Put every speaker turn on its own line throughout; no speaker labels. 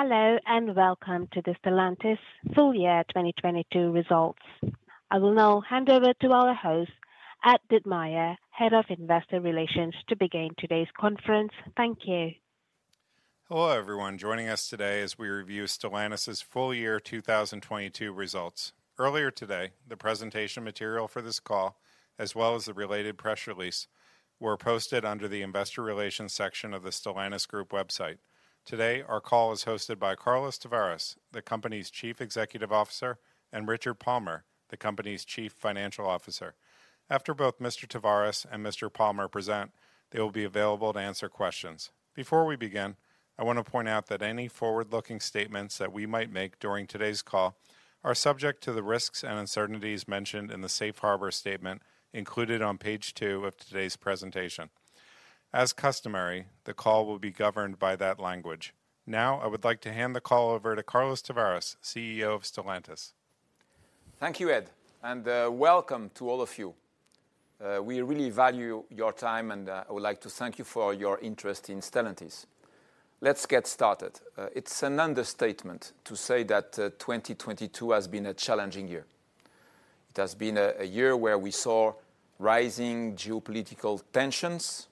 Hello, and welcome to the Stellantis Full Year 2022 results. I will now hand over to our host, Ed Ditmire, Head of Investor Relations, to begin today's conference. Thank you.
Hello, everyone joining us today as we review Stellantis' full year 2022 results. Earlier today, the presentation material for this call, as well as the related press release, were posted under the Investor Relations section of the Stellantis group website. Today, our call is hosted by Carlos Tavares, the company's Chief Executive Officer, and Richard Palmer, the company's Chief Financial Officer. After both Mr. Tavares and Mr. Palmer present, they will be available to answer questions. Before we begin, I want to point out that any forward-looking statements that we might make during today's call are subject to the risks and uncertainties mentioned in the safe harbor statement included on page 2 of today's presentation. As customary, the call will be governed by that language. Now, I would like to hand the call over to Carlos Tavares, CEO of Stellantis.
Thank you, Ed, and welcome to all of you. We really value your time, and I would like to thank you for your interest in Stellantis. Let's get started. It's an understatement to say that 2022 has been a challenging year. It has been a year where we saw rising geopolitical tensions,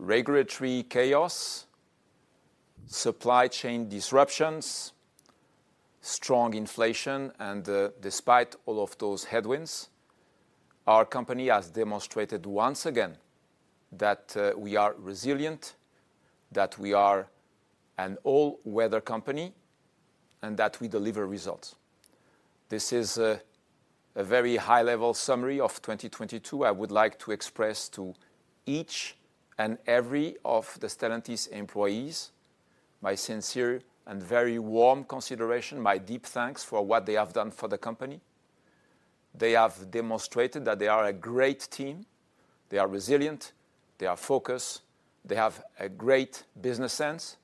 regulatory chaos, supply chain disruptions, strong inflation, and despite all of those headwinds, our company has demonstrated once again that we are resilient, that we are an all-weather company, and that we deliver results. This is a very high-level summary of 2022. I would like to express to each and every of the Stellantis employees my sincere and very warm consideration, my deep thanks for what they have done for the company. They have demonstrated that they are a great team, they are resilient, they are focused, they have a great business sense,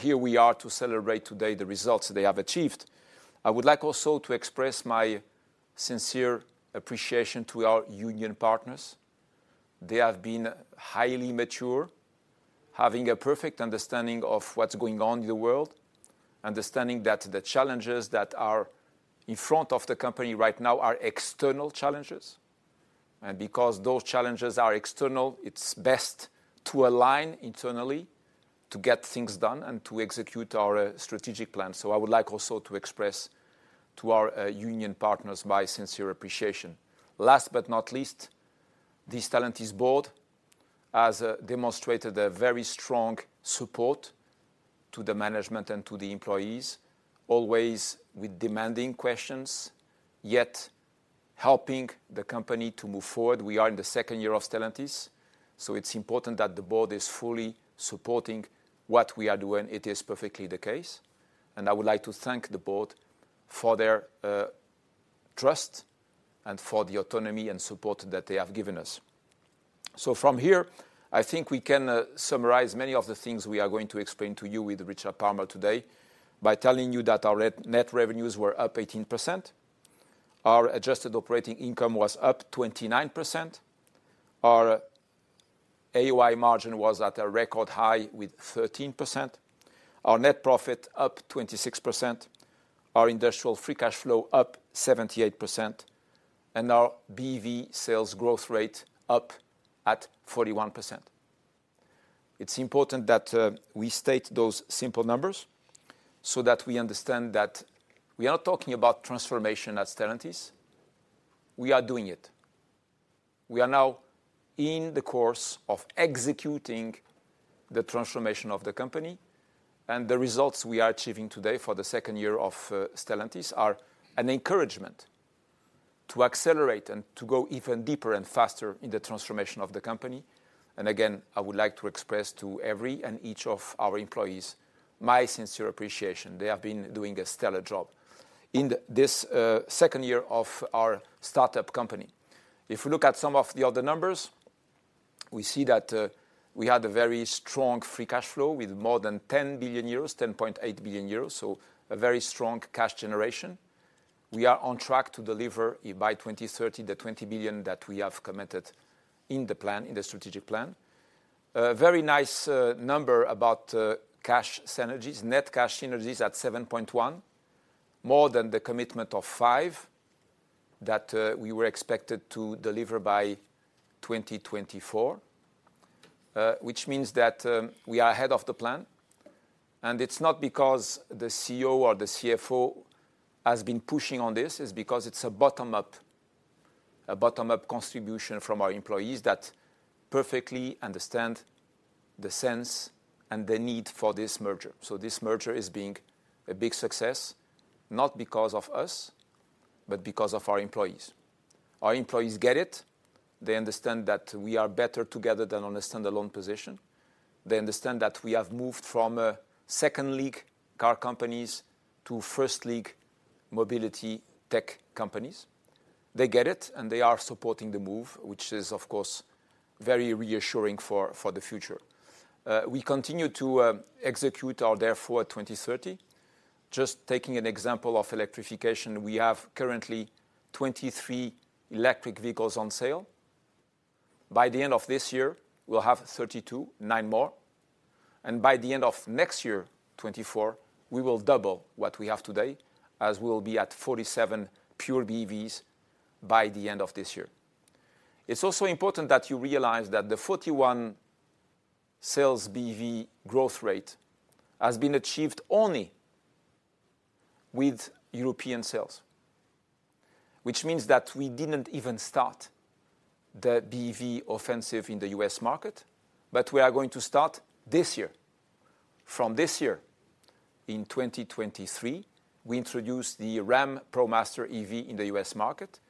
here we are to celebrate today the results they have achieved. I would like also to express my sincere appreciation to our union partners. They have been highly mature, having a perfect understanding of what's going on in the world, understanding that the challenges that are in front of the company right now are external challenges. Because those challenges are external, it's best to align internally to get things done and to execute our strategic plan. I would like also to express to our union partners my sincere appreciation. Last but not least, the Stellantis board has demonstrated a very strong support to the management and to the employees, always with demanding questions, yet helping the company to move forward. We are in the second year of Stellantis, it's important that the board is fully supporting what we are doing. It is perfectly the case, I would like to thank the board for their trust and for the autonomy and support that they have given us. From here, I think we can summarize many of the things we are going to explain to you with Richard Palmer today by telling you that our net revenues were up 18%. Our adjusted operating income was up 29%. Our AOI margin was at a record high with 13%. Our net profit up 26%. Our industrial free cash flow up 78%. Our BEV sales growth rate up at 41%. It's important that we state those simple numbers so that we understand that we are not talking about transformation at Stellantis. We are doing it. We are now in the course of executing the transformation of the company. The results we are achieving today for the second year of Stellantis are an encouragement to accelerate and to go even deeper and faster in the transformation of the company. Again, I would like to express to every and each of our employees my sincere appreciation. They have been doing a stellar job in this second year of our startup company. If we look at some of the other numbers, we see that we had a very strong free cash flow with more than 10 billion euros, 10.8 billion euros. A very strong cash generation. We are on track to deliver by 2030, the 20 billion that we have committed in the plan, in the strategic plan. A very nice number about cash synergies. Net cash synergies at 7.1. More than the commitment of 5 that we were expected to deliver by 2024, which means that we are ahead of the plan. It's not because the CEO or the CFO has been pushing on this. It's because it's a bottom-up contribution from our employees that perfectly understand the sense and the need for this merger. This merger is being a big success, not because of us, but because of our employees. Our employees get it. They understand that we are better together than on a standalone position. They understand that we have moved from a second league car companies to first league mobility tech companies. They get it, they are supporting the move, which is, of course, very reassuring for the future. We continue to execute our Dare Forward 2030. Just taking an example of electrification, we have currently 23 electric vehicles on sale. By the end of this year, we'll have 32, 9 more. By the end of next year, 2024, we will double what we have today as we'll be at 47 pure BEVs by the end of this year. It's also important that you realize that the 41 sales BEV growth rate has been achieved only with European sales, which means that we didn't even start the BEV offensive in the U.S. market, but we are going to start this year. From this year, in 2023, we introduced the Ram ProMaster EV in the U.S. market.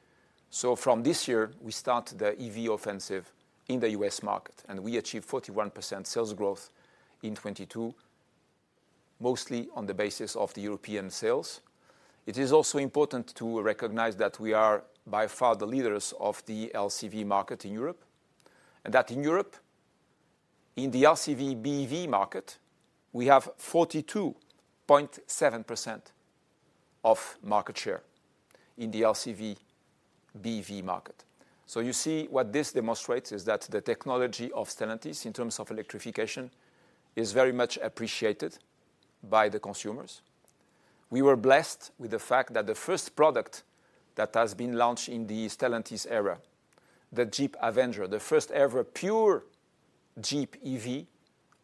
From this year, we start the EV offensive in the U.S. market. We achieved 41% sales growth in 2022, mostly on the basis of the European sales. It is also important to recognize that we are by far the leaders of the LCV market in Europe. In Europe, in the LCV BEV market, we have 42.7% of market share in the LCV BEV market. You see what this demonstrates is that the technology of Stellantis in terms of electrification is very much appreciated by the consumers. We were blessed with the fact that the first product that has been launched in the Stellantis era, the Jeep Avenger, the first ever pure Jeep EV,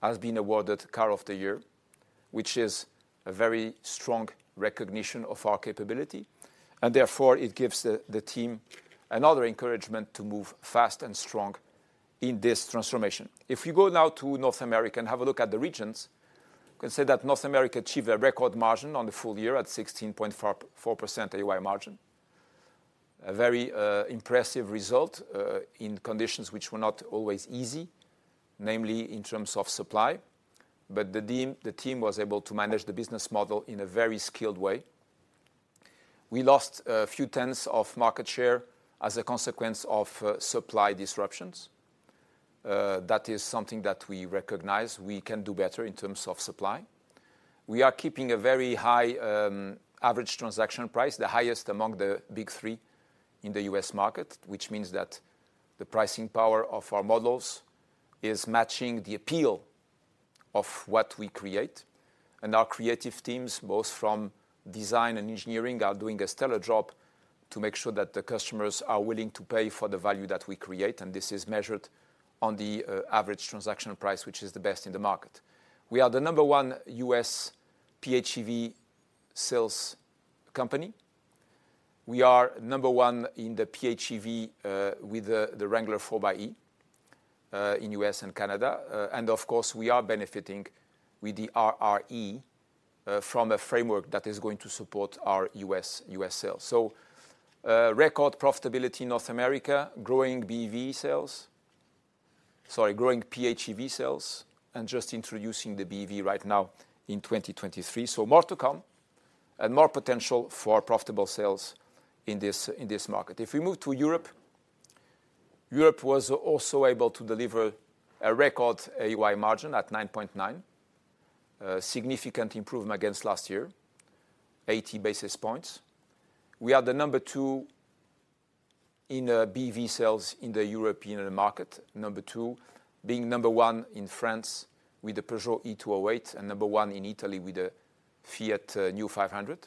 has been awarded Car of the Year, which is a very strong recognition of our capability. Therefore it gives the team another encouragement to move fast and strong in this transformation. If you go now to North America and have a look at the regions, you can say that North America achieved a record margin on the full year at 16.44% AOI margin. A very impressive result in conditions which were not always easy, namely in terms of supply. The team was able to manage the business model in a very skilled way. We lost a few tenths of market share as a consequence of supply disruptions. That is something that we recognize we can do better in terms of supply. We are keeping a very high average transaction price, the highest among the Big Three in the U.S. market, which means that the pricing power of our models is matching the appeal of what we create. Our creative teams, both from design and engineering, are doing a stellar job to make sure that the customers are willing to pay for the value that we create. This is measured on the average transaction price, which is the best in the market. We are the number one U.S. PHEV sales company. We are number one in the PHEV with the Wrangler 4xe in U.S. and Canada. Of course, we are benefiting with the RRE from a framework that is going to support our U.S. sales. Record profitability in North America, growing PHEV sales and just introducing the BEV right now in 2023. More to come and more potential for profitable sales in this market. If we move to Europe was also able to deliver a record AOI margin at 9.9, a significant improvement against last year, 80 basis points. We are the number 2 in BEV sales in the European market. 2, being 1 in France with the Peugeot e-208 and 1 in Italy with the Fiat New 500.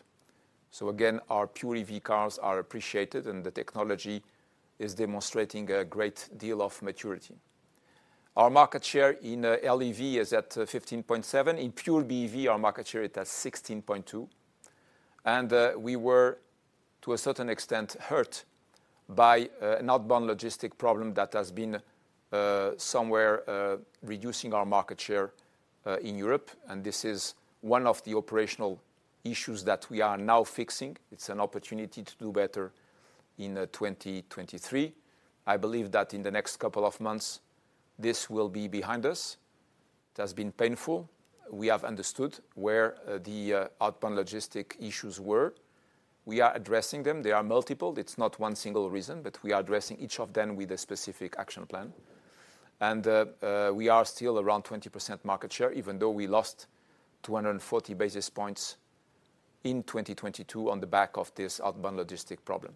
Again, our pure EV cars are appreciated and the technology is demonstrating a great deal of maturity. Our market share in LEV is at 15.7. In pure BEV, our market share is at 16.2. We were, to a certain extent, hurt by an outbound logistic problem that has been somewhere reducing our market share in Europe. This is one of the operational issues that we are now fixing. It's an opportunity to do better in 2023. I believe that in the next couple of months, this will be behind us. It has been painful. We have understood where the outbound logistics issues were. We are addressing them. They are multiple. It's not one single reason, but we are addressing each of them with a specific action plan. We are still around 20% market share, even though we lost 240 basis points in 2022 on the back of this outbound logistics problem.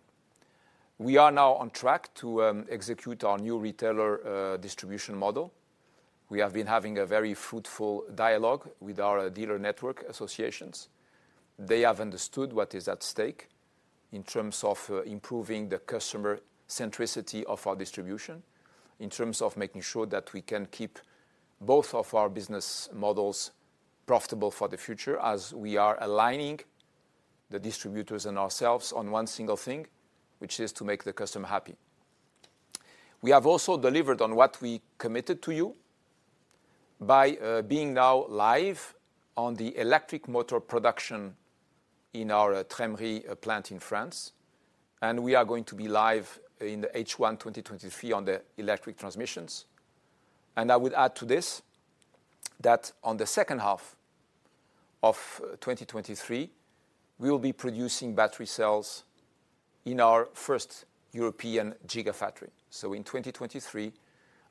We are now on track to execute our new retailer distribution model. We have been having a very fruitful dialogue with our dealer network associations. They have understood what is at stake in terms of improving the customer centricity of our distribution, in terms of making sure that we can keep both of our business models profitable for the future as we are aligning the distributors and ourselves on one single thing, which is to make the customer happy. We have also delivered on what we committed to you by being now live on the electric motor production in our Trémery plant in France. We are going to be live in H1 2023 on the electric transmissions. I would add to this that on the second half of 2023, we will be producing battery cells in our first European gigafactory. In 2023,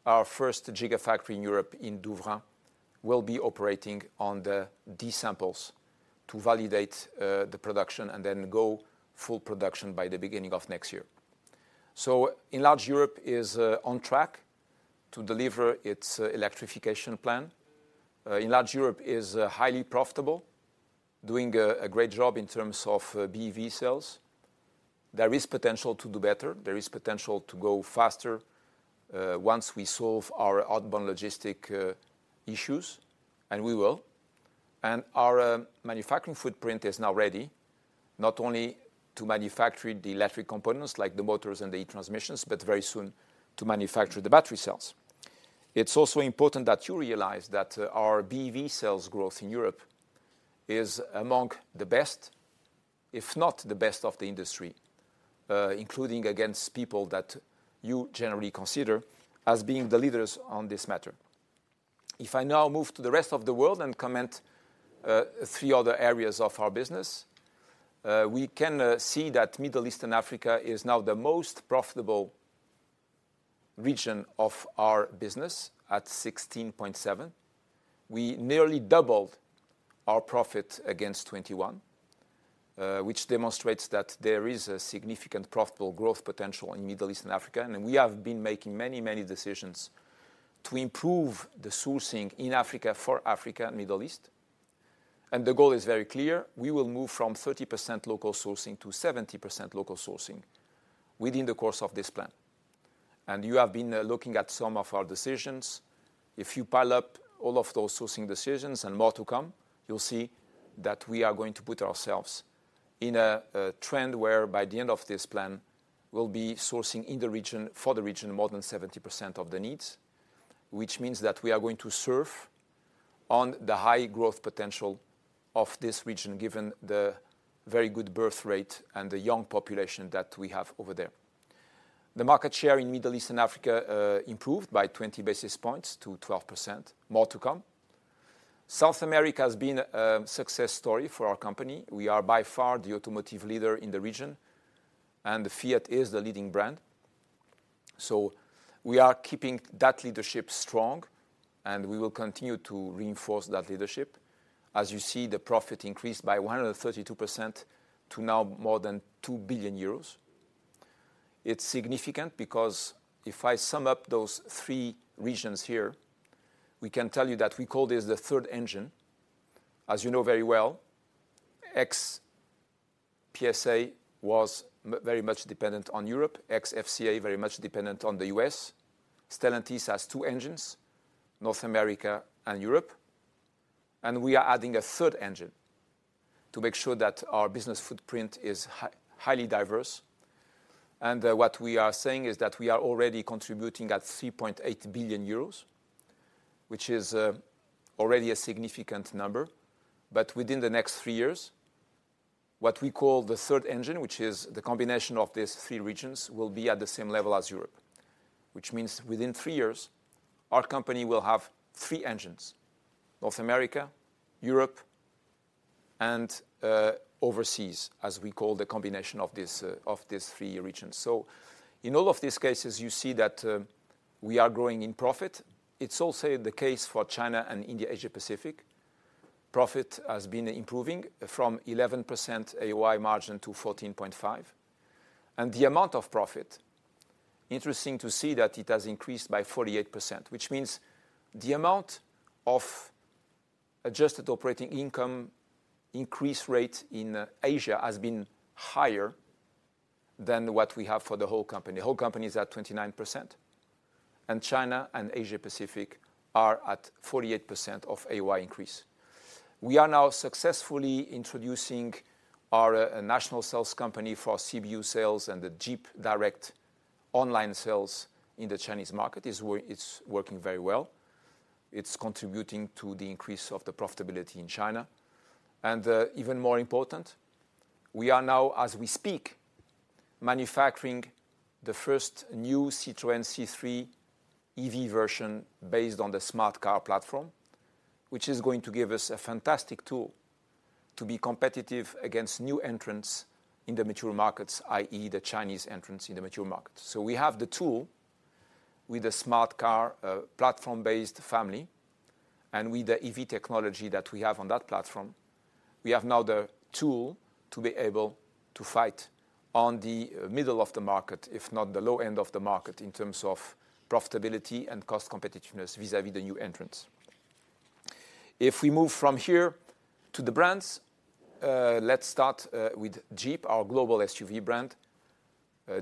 our first gigafactory in Europe in Douvrin will be operating on the D-samples to validate the production and then go full production by the beginning of next year. Enlarge Europe is on track to deliver its electrification plan. Enlarge Europe is highly profitable, doing a great job in terms of BEV sales. There is potential to do better. There is potential to go faster once we solve our outbound logistics issues, and we will. Our manufacturing footprint is now ready not only to manufacture the electric components like the motors and the e-transmissions, but very soon to manufacture the battery cells. It's also important that you realize that our BEV cells growth in Europe is among the best, if not the best of the industry, including against people that you generally consider as being the leaders on this matter. If I now move to the rest of the world and comment three other areas of our business, we can see that Middle East and Africa is now the most profitable region of our business at 16.7%. We nearly doubled our profit against 21, which demonstrates that there is a significant profitable growth potential in Middle East and Africa. We have been making many decisions to improve the sourcing in Africa, for Africa and Middle East. The goal is very clear. We will move from 30% local sourcing to 70% local sourcing within the course of this plan. You have been looking at some of our decisions. If you pile up all of those sourcing decisions and more to come, you'll see that we are going to put ourselves in a trend where by the end of this plan, we'll be sourcing in the region for the region more than 70% of the needs. Which means that we are going to surf on the high growth potential of this region, given the very good birth rate and the young population that we have over there. The market share in Middle East and Africa improved by 20 basis points to 12%. More to come. South America has been a success story for our company. We are by far the automotive leader in the region, and Fiat is the leading brand. We are keeping that leadership strong, and we will continue to reinforce that leadership. As you see, the profit increased by 132% to now more than 2 billion euros. It's significant because if I sum up those three regions here, we can tell you that we call this the third engine. As you know very well, ex-PSA was very much dependent on Europe, ex-FCA very much dependent on the U.S. Stellantis has two engines, North America and Europe. We are adding a third engine to make sure that our business footprint is highly diverse. What we are saying is that we are already contributing at 3.8 billion euros, which is already a significant number. Within the next 3 years, what we call the third engine, which is the combination of these three regions, will be at the same level as Europe. Which means within 3 years, our company will have 3 engines, North America, Europe, and overseas, as we call the combination of these three regions. In all of these cases, you see that we are growing in profit. It's also the case for China and India, Asia Pacific. Profit has been improving from 11% AOI margin to 14.5%. The amount of profit, interesting to see that it has increased by 48%, which means the amount of Adjusted Operating Income increase rate in Asia has been higher than what we have for the whole company. The whole company is at 29%, and China and Asia Pacific are at 48% of AOI increase. We are now successfully introducing our national sales company for CBU sales and the Jeep direct online sales in the Chinese market. It's working very well. It's contributing to the increase of the profitability in China. Even more important, we are now, as we speak, manufacturing the first new Citroën ë-C3 EV version based on the Smart Car platform, which is going to give us a fantastic tool to be competitive against new entrants in the mature markets, i.e., the Chinese entrants in the mature markets. We have the tool with the Smart Car platform-based family, and with the EV technology that we have on that platform, we have now the tool to be able to fight on the middle of the market, if not the low end of the market, in terms of profitability and cost competitiveness vis-à-vis the new entrants. We move from here to the brands, let's start with Jeep, our global SUV brand.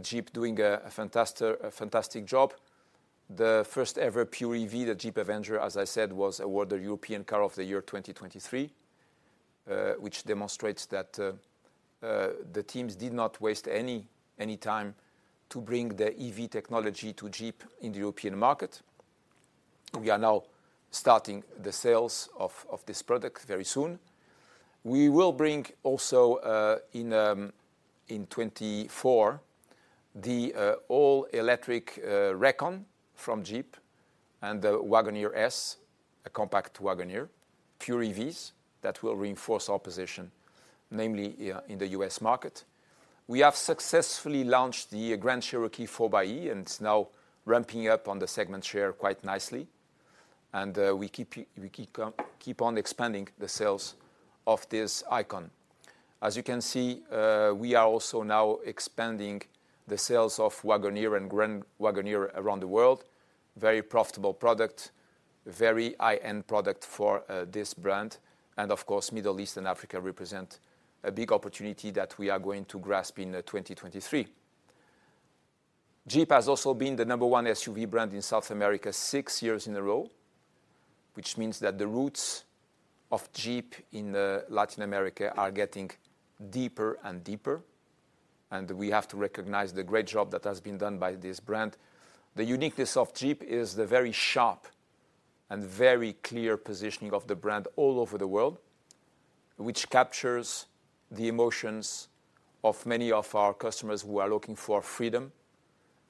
Jeep doing a fantastic job. The first ever pure EV, the Jeep Avenger, as I said, was awarded European Car of the Year 2023, which demonstrates that the teams did not waste any time to bring the EV technology to Jeep in the European market. We are now starting the sales of this product very soon. We will bring also, in 2024, the all-electric Recon from Jeep and the Wagoneer S, a compact Wagoneer, pure EVs that will reinforce our position, namely, yeah, in the US market. We have successfully launched the Grand Cherokee 4xe, and it's now ramping up on the segment share quite nicely. We keep on expanding the sales of this icon. As you can see, we are also now expanding the sales of Wagoneer and Grand Wagoneer around the world. Very profitable product, very high-end product for this brand. Of course, Middle East and Africa represent a big opportunity that we are going to grasp in 2023. Jeep has also been the number one SUV brand in South America six years in a row, which means that the roots of Jeep in Latin America are getting deeper and deeper, and we have to recognize the great job that has been done by this brand. The uniqueness of Jeep is the very sharp and very clear positioning of the brand all over the world, which captures the emotions of many of our customers who are looking for freedom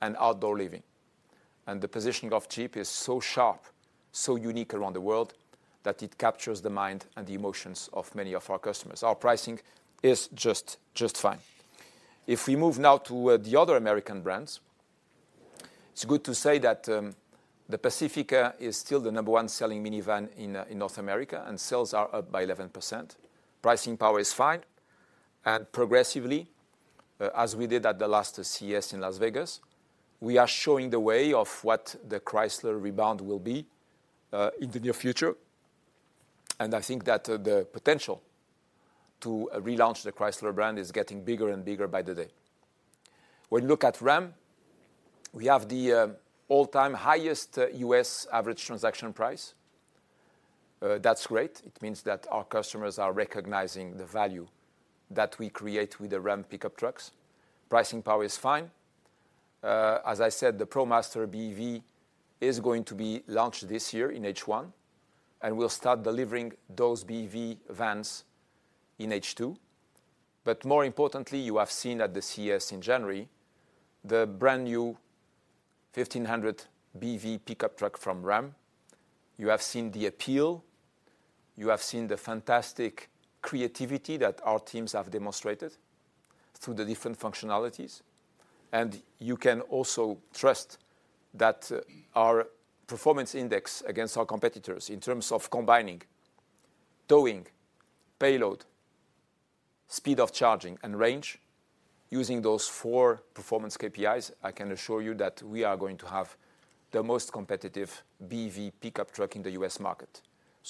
and outdoor living. The positioning of Jeep is so sharp, so unique around the world, that it captures the mind and the emotions of many of our customers. Our pricing is just fine. If we move now to the other American brands, it's good to say that the Pacifica is still the number one selling minivan in North America, and sales are up by 11%. Pricing power is fine. Progressively, as we did at the last CES in Las Vegas, we are showing the way of what the Chrysler rebound will be in the near future. I think that the potential to relaunch the Chrysler brand is getting bigger and bigger by the day. When you look at Ram, we have the all-time highest U.S. average transaction price. That's great. It means that our customers are recognizing the value that we create with the Ram pickup trucks. Pricing power is fine. As I said, the ProMaster BEV is going to be launched this year in H1, and we'll start delivering those BEV vans in H2. More importantly, you have seen at the CES in January the brand-new 1500 BEV pickup truck from Ram. You have seen the appeal, you have seen the fantastic creativity that our teams have demonstrated through the different functionalities, and you can also trust that our performance index against our competitors in terms of combining towing, payload, speed of charging, and range, using those four performance KPIs, I can assure you that we are going to have the most competitive BEV pickup truck in the U.S. market.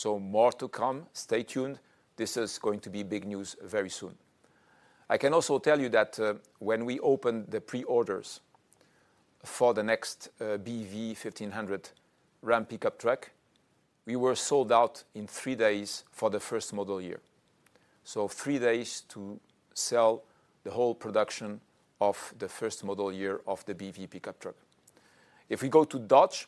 More to come. Stay tuned. This is going to be big news very soon. I can also tell you that, when we opened the pre-orders for the next, BEV 1500 Ram pickup truck, we were sold out in 3 days for the first model year. 3 days to sell the whole production of the first model year of the BEV pickup truck. If we go to Dodge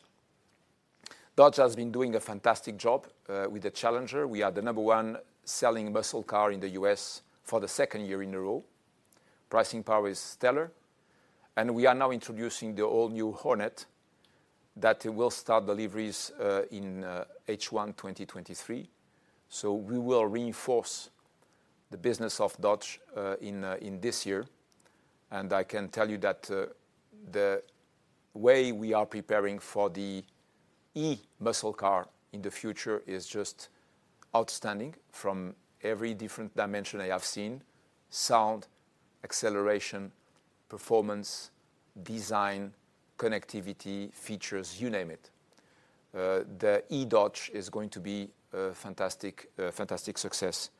has been doing a fantastic job with the Challenger. We are the number 1 selling muscle car in the U.S. for the second year in a row. Pricing power is stellar. We are now introducing the all-new Hornet that will start deliveries in H1 2023. We will reinforce the business of Dodge in this year. I can tell you that the way we are preparing for the e-muscle car in the future is just outstanding from every different dimension I have seen: sound, acceleration, performance, design, connectivity, features, you name it. The e-Dodge is going to be a fantastic success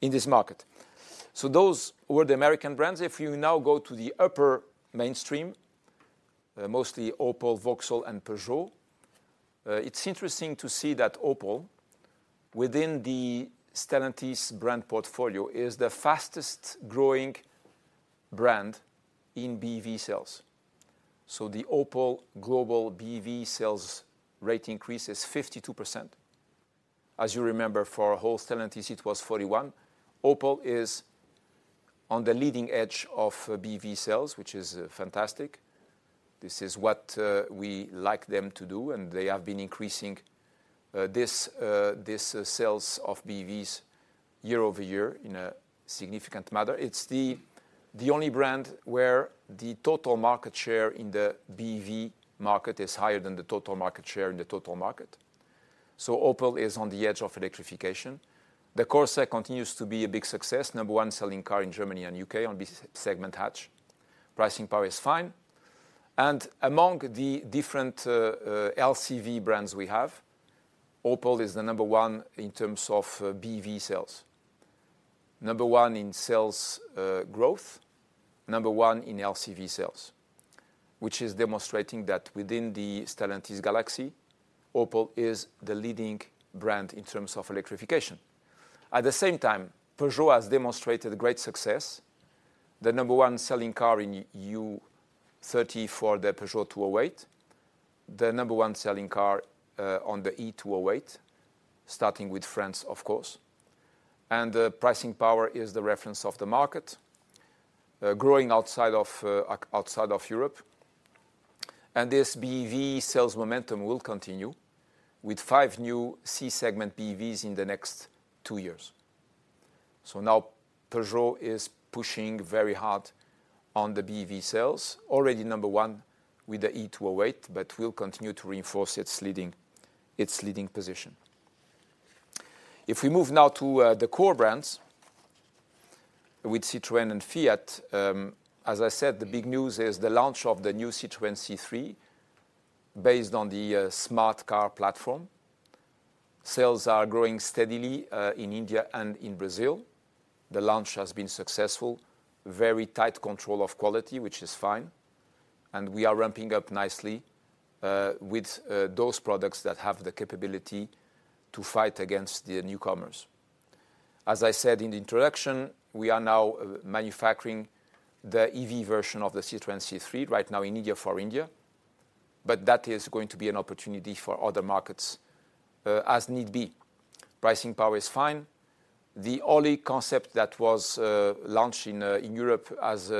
in this market. Those were the American brands. If you now go to the upper mainstream, mostly Opel, Vauxhall and Peugeot, it's interesting to see that Opel, within the Stellantis brand portfolio, is the fastest-growing brand in BEV sales. The Opel global BEV sales rate increase is 52%. As you remember, for our whole Stellantis, it was 41%. Opel is on the leading edge of BEV sales, which is fantastic. This is what we like them to do, and they have been increasing this sales of BEVs year-over-year in a significant manner. It's the only brand where the total market share in the BEV market is higher than the total market share in the total market. Opel is on the edge of electrification. The Corsa continues to be a big success, number 1 selling car in Germany and UK on B segment hatch. Pricing power is fine. Among the different LCV brands we have, Opel is the number 1 in terms of BEV sales. Number 1 in sales growth, number 1 in LCV sales, which is demonstrating that within the Stellantis galaxy, Opel is the leading brand in terms of electrification. At the same time, Peugeot has demonstrated great success. The number one selling car in EU30 for the Peugeot 208. The number one selling car on the e-208, starting with France, of course. The pricing power is the reference of the market, growing outside of Europe. This BEV sales momentum will continue with five new C-segment BEVs in the next two years. Peugeot is pushing very hard on the BEV sales. Already number one with the e-208, but will continue to reinforce its leading position. If we move now to the core brands, with Citroën and Fiat, as I said, the big news is the launch of the new Citroën ë-C3 based on the Smart Car platform. Sales are growing steadily in India and in Brazil. The launch has been successful. Very tight control of quality, which is fine. We are ramping up nicely with those products that have the capability to fight against the newcomers. As I said in the introduction, we are now manufacturing the EV version of the Citroën ë-C3 right now in India for India, but that is going to be an opportunity for other markets as need be. Pricing power is fine. The Oli concept that was launched in Europe has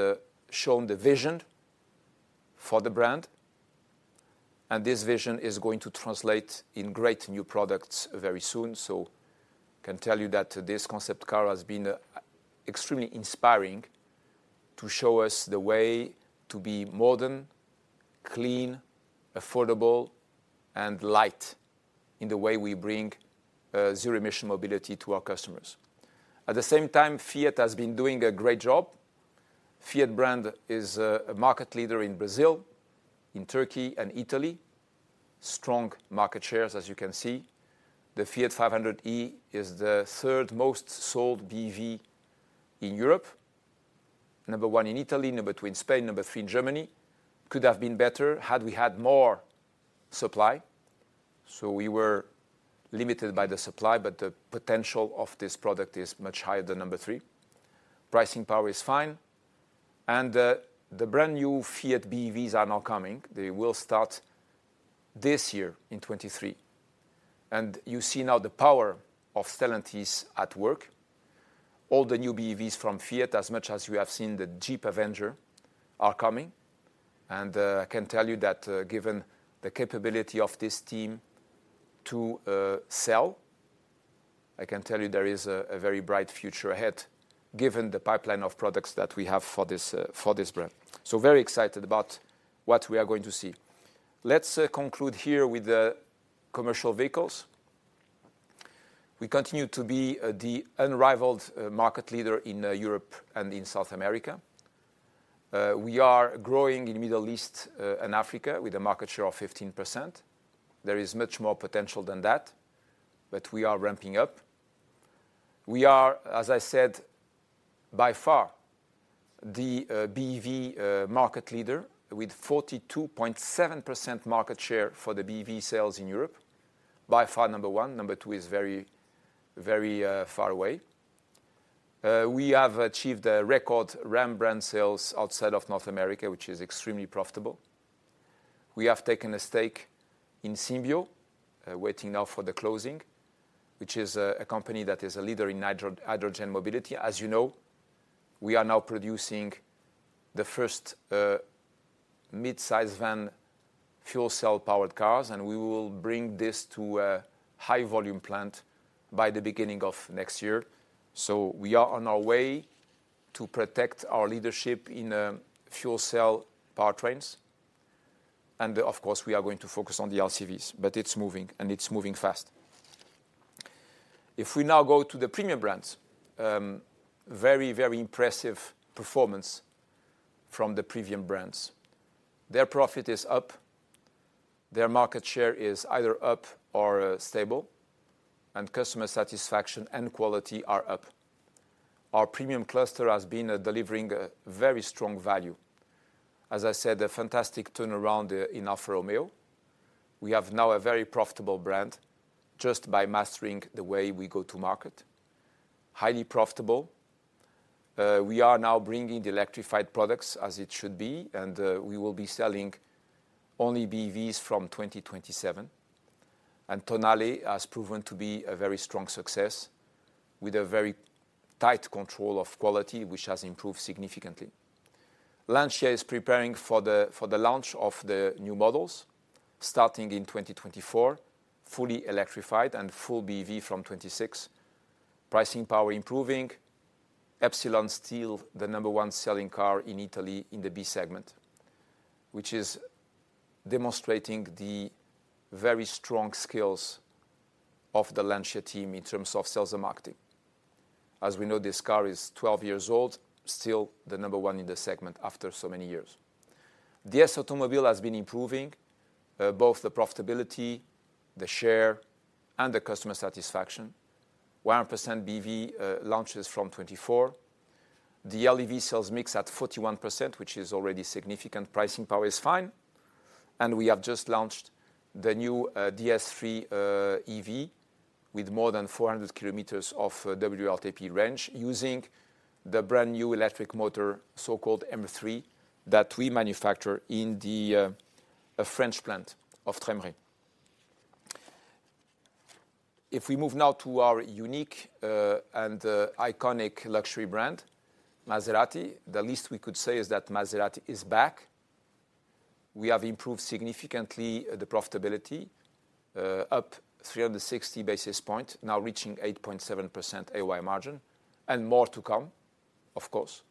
shown the vision for the brand, and this vision is going to translate in great new products very soon. Can tell you that this concept car has been extremely inspiring to show us the way to be modern, clean, affordable and light in the way we bring zero-emission mobility to our customers. At the same time, Fiat has been doing a great job. Fiat brand is a market leader in Brazil, in Turkey and Italy. Strong market shares, as you can see. The Fiat 500e is the third most sold BEV in Europe. Number one in Italy, number two in Spain, number three in Germany. Could have been better had we had more supply, so we were limited by the supply, but the potential of this product is much higher than number three. Pricing power is fine. The brand-new Fiat BEVs are now coming. They will start this year in 2023. You see now the power of Stellantis at work. All the new BEVs from Fiat, as much as you have seen the Jeep Avenger, are coming. I can tell you that, given the capability of this team to sell, I can tell you there is a very bright future ahead given the pipeline of products that we have for this brand. Very excited about what we are going to see. Let's conclude here with the commercial vehicles. We continue to be the unrivaled market leader in Europe and in South America. We are growing in Middle East and Africa with a market share of 15%. There is much more potential than that, but we are ramping up. We are, as I said, by far the BEV market leader with 42.7% market share for the BEV sales in Europe. By far number one. Number two is very far away. We have achieved a record Ram brand sales outside of North America, which is extremely profitable. We have taken a stake in Symbio, waiting now for the closing, which is a company that is a leader in hydrogen mobility. As you know, we are now producing the first midsize van fuel cell-powered cars, and we will bring this to a high volume plant by the beginning of next year. We are on our way to protect our leadership in fuel cell powertrains. Of course, we are going to focus on the LCVs, but it's moving and it's moving fast. If we now go to the premium brands, very impressive performance from the premium brands. Their profit is up, their market share is either up or stable, and customer satisfaction and quality are up. Our premium cluster has been delivering a very strong value. As I said, a fantastic turnaround in Alfa Romeo. We have now a very profitable brand just by mastering the way we go to market. Highly profitable. We are now bringing the electrified products as it should be, and we will be selling only BEVs from 2027. Tonale has proven to be a very strong success with a very tight control of quality, which has improved significantly. Lancia is preparing for the launch of the new models starting in 2024, fully electrified and full BEV from 2026. Pricing power improving. Ypsilon still the number 1 selling car in Italy in the B segment, which is demonstrating the very strong skills of the Lancia team in terms of sales and marketing. As we know, this car is 12 years old, still the number 1 in the segment after so many years. DS Automobiles has been improving, both the profitability, the share, and the customer satisfaction. 100% BEV launches from 2024. The LEV sales mix at 41%, which is already significant. Pricing power is fine. We have just launched the new DS 3 EV with more than 400 kilometers of WLTP range using the brand-new electric motor, so-called M3, that we manufacture in the French plant of Trémery. If we move now to our unique and iconic luxury brand, Maserati, the least we could say is that Maserati is back. We have improved significantly the profitability, up 360 basis points, now reaching 8.7% AOI margin, and more to come, of course,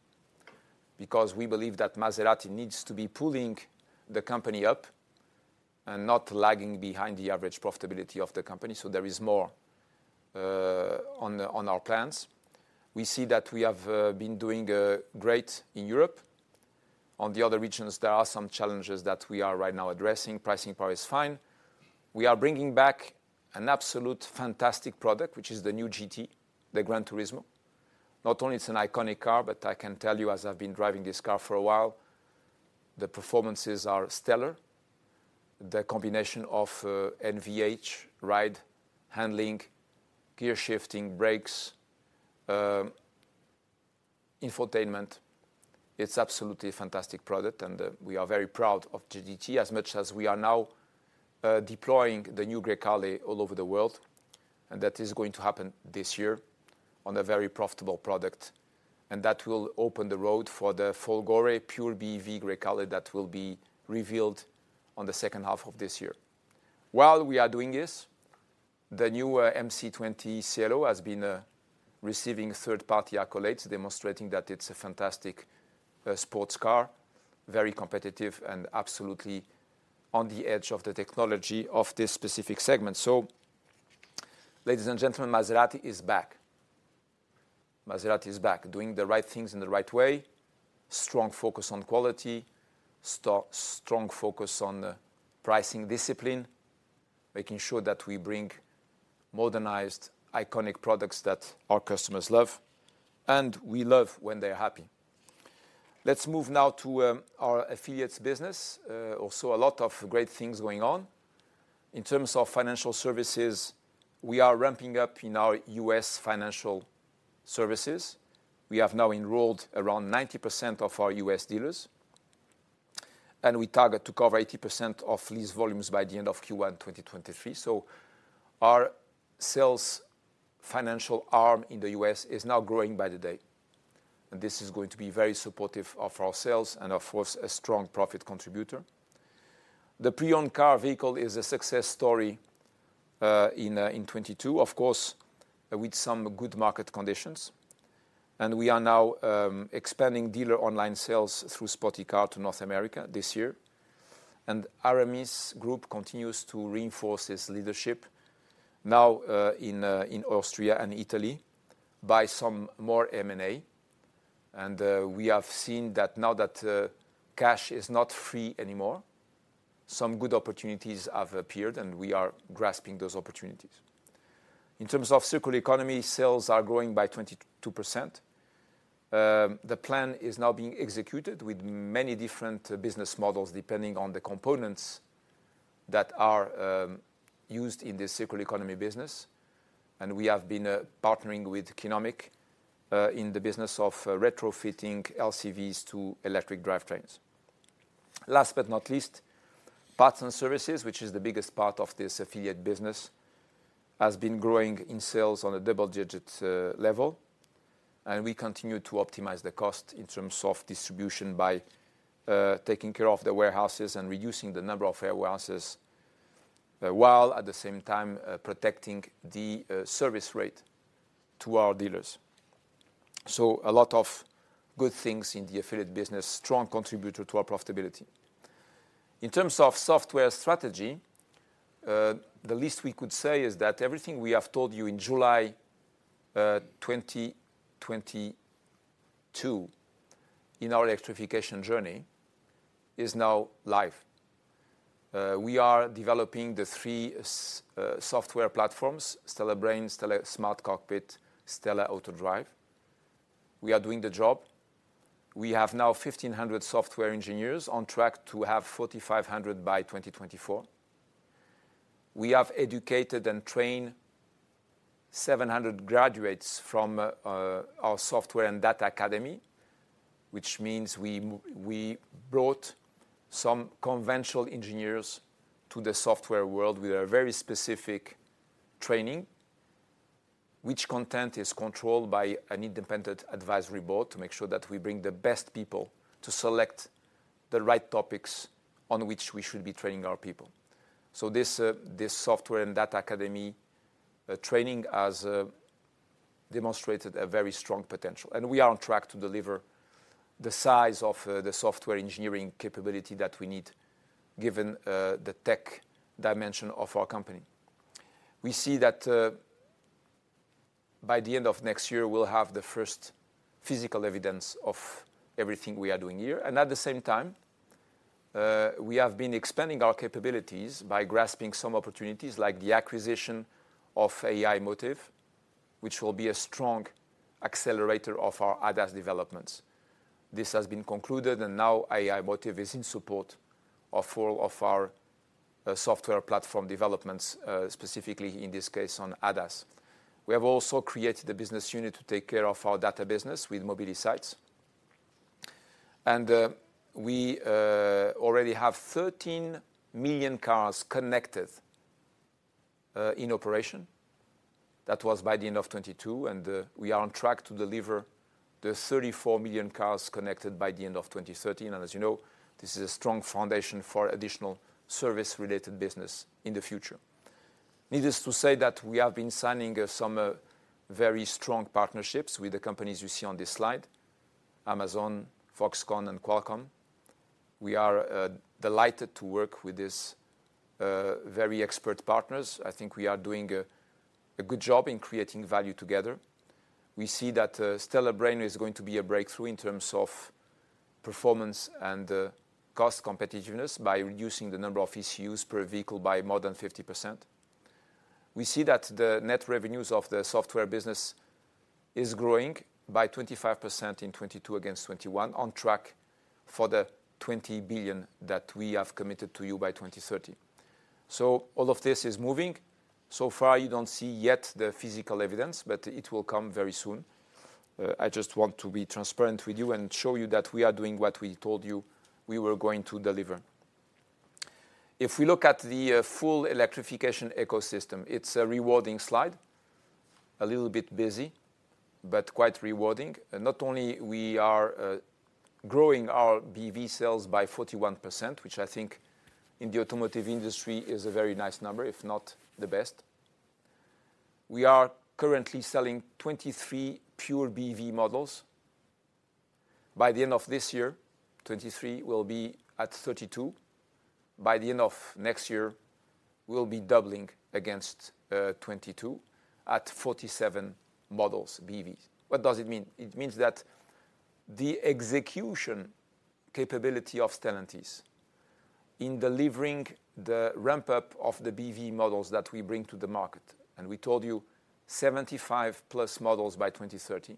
because we believe that Maserati needs to be pulling the company up and not lagging behind the average profitability of the company. There is more on our plans. We see that we have been doing great in Europe. On the other regions, there are some challenges that we are right now addressing. Pricing power is fine. We are bringing back an absolute fantastic product, which is the new GT, the GranTurismo. Not only it's an iconic car, but I can tell you, as I've been driving this car for a while, the performances are stellar. The combination of NVH, ride, handling, gear shifting, brakes, infotainment, it's absolutely a fantastic product, and we are very proud of the GT as much as we are now deploying the new Grecale all over the world. That is going to happen this year on a very profitable product. That will open the road for the Folgore pure BEV Grecale that will be revealed on the second half of this year. We are doing this, the new MC20 Cielo has been receiving third-party accolades, demonstrating that it's a fantastic sports car, very competitive and absolutely on the edge of the technology of this specific segment. Ladies and gentlemen, Maserati is back. Maserati is back, doing the right things in the right way, strong focus on quality, strong focus on pricing discipline, making sure that we bring modernized, iconic products that our customers love, and we love when they're happy. Let's move now to our affiliates business. Also a lot of great things going on. In terms of financial services, we are ramping up in our U.S. financial services. We have now enrolled around 90% of our U.S. dealers, and we target to cover 80% of lease volumes by the end of Q1 2023. Our sales financial arm in the U.S. is now growing by the day, and this is going to be very supportive of our sales and, of course, a strong profit contributor. The pre-owned car vehicle is a success story in 2022, of course, with some good market conditions. We are now expanding dealer online sales through SPOTiCAR to North America this year. Aramis Group continues to reinforce its leadership now in Austria and Italy by some more M&A. We have seen that now that cash is not free anymore, some good opportunities have appeared, and we are grasping those opportunities. In terms of circular economy, sales are growing by 22%. The plan is now being executed with many different business models, depending on the components that are used in the circular economy business. We have been partnering with Qinomic in the business of retrofitting LCVs to electric drivetrains. Last but not least, parts and services, which is the biggest part of this affiliate business, has been growing in sales on a double-digit level, and we continue to optimize the cost in terms of distribution by taking care of the warehouses and reducing the number of warehouses, while at the same time, protecting the service rate to our dealers. A lot of good things in the affiliate business, strong contributor to our profitability. In terms of software strategy, the least we could say is that everything we have told you in July 2022 in our electrification journey is now live. We are developing the three software platforms, STLA Brain, STLA SmartCockpit, STLA AutoDrive. We are doing the job. We have now 1,500 software engineers on track to have 4,500 by 2024. We have educated and trained 700 graduates from our software and data academy, which means we brought some conventional engineers to the software world with a very specific training, which content is controlled by an independent advisory board to make sure that we bring the best people to select the right topics on which we should be training our people. This, this software and data academy training has demonstrated a very strong potential. We are on track to deliver the size of the software engineering capability that we need, given the tech dimension of our company. We see that by the end of next year, we'll have the first physical evidence of everything we are doing here. At the same time, we have been expanding our capabilities by grasping some opportunities like the acquisition of aiMotive, which will be a strong accelerator of our ADAS developments. This has been concluded. Now aiMotive is in support of all of our software platform developments, specifically in this case on ADAS. We have also created a business unit to take care of our data business with Mobilisights. We already have 13 million cars connected in operation. That was by the end of 2022. We are on track to deliver the 34 million cars connected by the end of 2030. As you know, this is a strong foundation for additional service-related business in the future. Needless to say that we have been signing some very strong partnerships with the companies you see on this slide, Amazon, Foxconn and Qualcomm. We are delighted to work with these very expert partners. I think we are doing a good job in creating value together. We see that STLA Brain is going to be a breakthrough in terms of performance and cost competitiveness by reducing the number of ECUs per vehicle by more than 50%. We see that the net revenues of the software business is growing by 25% in 2022 against 2021, on track for the 20 billion that we have committed to you by 2030. All of this is moving. Far, you don't see yet the physical evidence, but it will come very soon. I just want to be transparent with you and show you that we are doing what we told you we were going to deliver. We look at the full electrification ecosystem, it's a rewarding slide. A little bit busy, but quite rewarding. Not only we are growing our BEV sales by 41%, which I think in the automotive industry is a very nice number, if not the best. We are currently selling 23 pure BEV models. By the end of this year, 23 will be at 32. By the end of next year, we'll be doubling against 22 at 47 models BEVs. What does it mean? It means that the execution capability of Stellantis in delivering the ramp-up of the BEV models that we bring to the market, and we told you 75 plus models by 2030,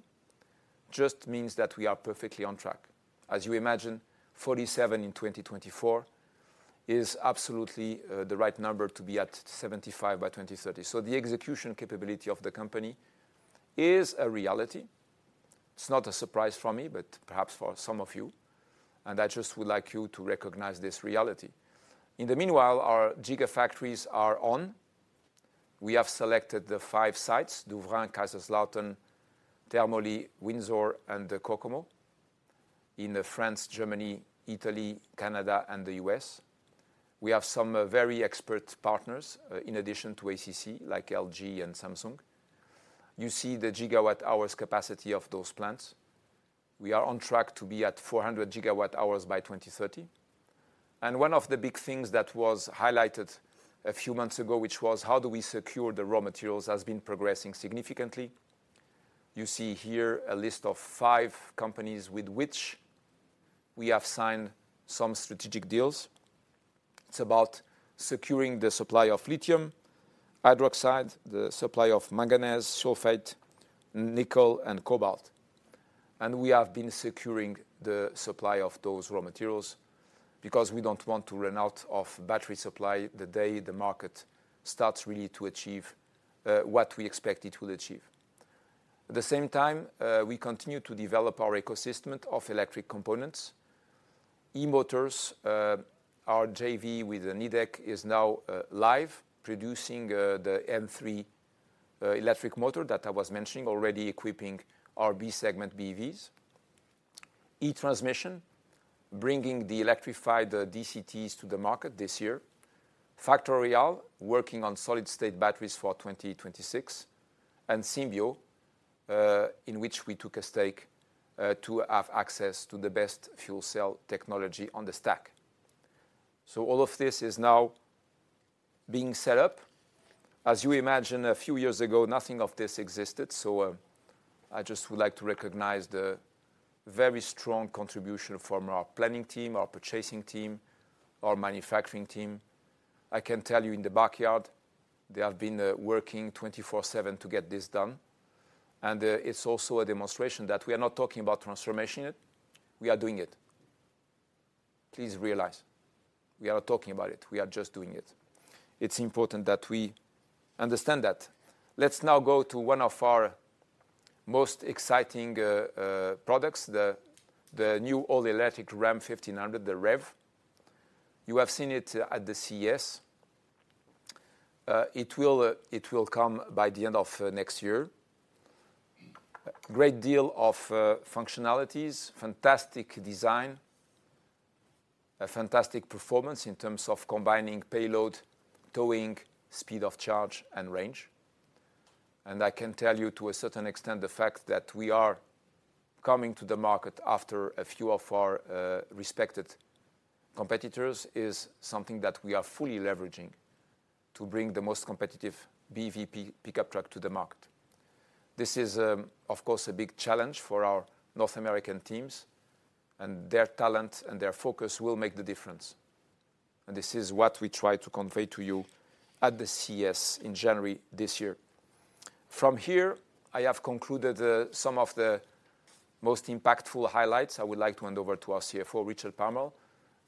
just means that we are perfectly on track. As you imagine, 47 in 2024 is absolutely the right number to be at 75 by 2030. The execution capability of the company is a reality. It's not a surprise for me, but perhaps for some of you, and I just would like you to recognize this reality. In the meanwhile, our gigafactories are on. We have selected the 5 sites, Douvrin, Kaiserslautern, Termoli, Windsor and Kokomo in France, Germany, Italy, Canada and the U.S. We have some very expert partners in addition to ACC, like LG and Samsung. You see the gigawatt hours capacity of those plants. We are on track to be at 400 gigawatt hours by 2030. One of the big things that was highlighted a few months ago, which was how do we secure the raw materials, has been progressing significantly. You see here a list of 5 companies with which we have signed some strategic deals. It's about securing the supply of lithium hydroxide, the supply of manganese sulfate, nickel and cobalt. We have been securing the supply of those raw materials because we don't want to run out of battery supply the day the market starts really to achieve what we expect it will achieve. At the same time, we continue to develop our ecosystem of electric components. E-motors, our JV with Nidec is now live, producing the M3 electric motor that I was mentioning, already equipping our B-segment BEVs. E-transmission, bringing the electrified DCTs to the market this year. Factorial, working on solid-state batteries for 2026. Symbio, in which we took a stake, to have access to the best fuel cell technology on the stack. All of this is now being set up. As you imagine, a few years ago, nothing of this existed, so I just would like to recognize the very strong contribution from our planning team, our purchasing team, our manufacturing team. I can tell you in the backyard, they have been working 24/7 to get this done. It's also a demonstration that we are not talking about transformation, we are doing it. Please realize we are not talking about it, we are just doing it. It's important that we understand that. Let's now go to one of our most exciting products, the new all-electric Ram 1500, the REV. You have seen it at the CES. It will come by the end of next year. Great deal of functionalities, fantastic design, a fantastic performance in terms of combining payload, towing, speed of charge and range. I can tell you to a certain extent, the fact that we are coming to the market after a few of our respected competitors is something that we are fully leveraging to bring the most competitive BEV pickup truck to the market. This is, of course, a big challenge for our North American teams, and their talent and their focus will make the difference. This is what we try to convey to you at the CES in January this year. From here, I have concluded some of the most impactful highlights. I would like to hand over to our CFO, Richard Palmer,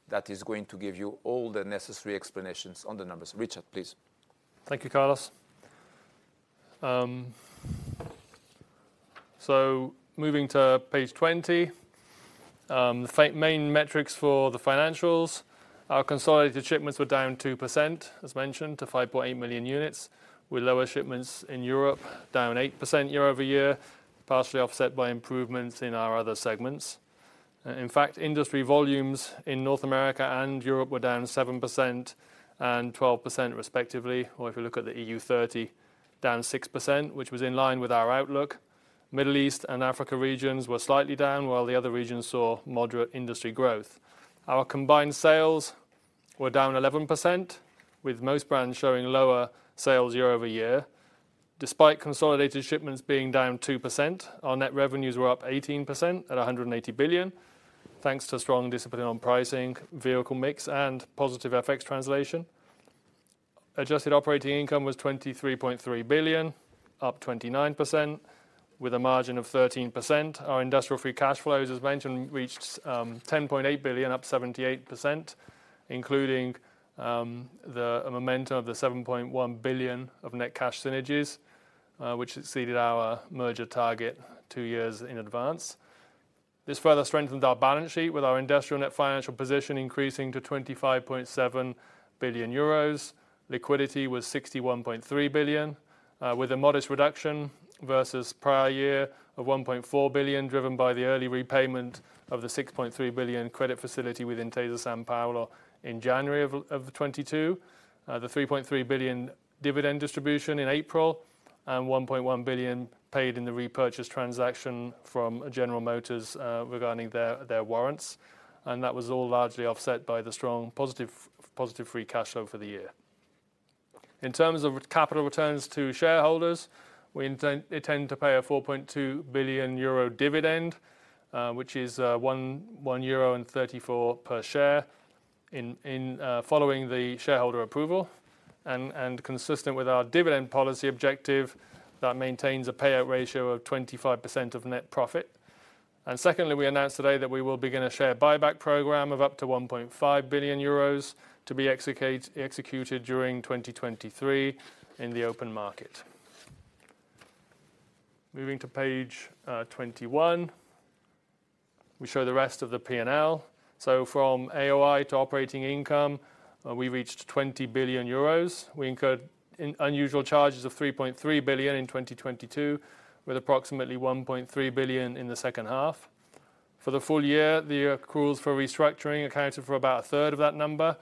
that is going to give you all the necessary explanations on the numbers. Richard, please.
Thank you, Carlos. Moving to page 20. The main metrics for the financials. Our consolidated shipments were down 2%, as mentioned, to 5.8 million units, with lower shipments in Europe down 8% year-over-year, partially offset by improvements in our other segments. In fact, industry volumes in North America and Europe were down 7% and 12% respectively, or if you look at the EU30, down 6%, which was in line with our outlook. Middle East and Africa regions were slightly down, while the other regions saw moderate industry growth. Our combined sales were down 11%, with most brands showing lower sales year-over-year. Despite consolidated shipments being down 2%, our net revenues were up 18% at 180 billion. Thanks to strong discipline on pricing, vehicle mix, and positive FX translation. Adjusted operating income was 23.3 billion, up 29%, with a margin of 13%. Our industrial free cash flows, as mentioned, reached 10.8 billion, up 78%, including the momentum of the 7.1 billion of net cash synergies, which exceeded our merger target 2 years in advance. This further strengthens our balance sheet with our industrial net financial position increasing to 25.7 billion euros. Liquidity was 61.3 billion, with a modest reduction versus prior year of 1.4 billion, driven by the early repayment of the 6.3 billion credit facility with Intesa Sanpaolo in January of 2022. The 3.3 billion dividend distribution in April and 1.1 billion paid in the repurchase transaction from General Motors, regarding their warrants. That was all largely offset by the strong positive free cash flow for the year. In terms of capital returns to shareholders, we intend to pay a 4.2 billion euro dividend, which is 1.34 euro per share following the shareholder approval and consistent with our dividend policy objective that maintains a payout ratio of 25% of net profit. Secondly, we announced today that we will begin a share buyback program of up to 1.5 billion euros to be executed during 2023 in the open market. Moving to page 21, we show the rest of the P&L. From AOI to operating income, we reached 20 billion euros. We incurred unusual charges of 3.3 billion in 2022, with approximately 1.3 billion in the second half. For the full year, the accruals for restructuring accounted for about a third of that number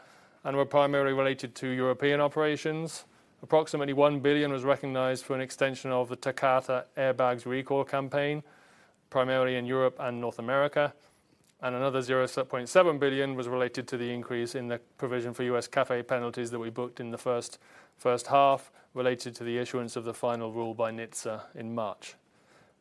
and were primarily related to European operations. Approximately 1 billion was recognized for an extension of the Takata airbags recall campaign, primarily in Europe and North America. Another 0.7 billion was related to the increase in the provision for US CAFE penalties that we booked in the first half, related to the issuance of the final rule by NHTSA in March.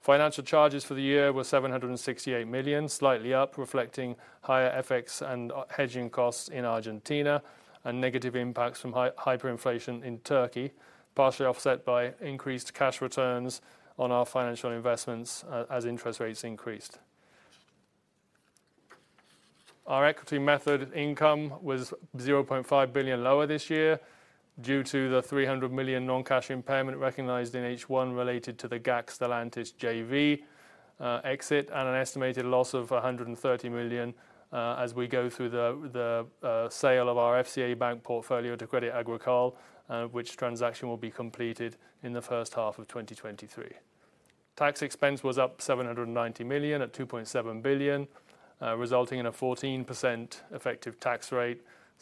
Financial charges for the year were 768 million, slightly up, reflecting higher FX and hedging costs in Argentina and negative impacts from hyperinflation in Turkey, partially offset by increased cash returns on our financial investments as interest rates increased. Our equity method income was 0.5 billion lower this year due to the 300 million non-cash impairment recognized in H1 related to the GAC-Stellantis JV exit and an estimated loss of 130 million as we go through the sale of our FCA Bank portfolio to Crédit Agricole, which transaction will be completed in the first half of 2023. Tax expense was up 790 million at 2.7 billion, resulting in a 14% effective tax rate,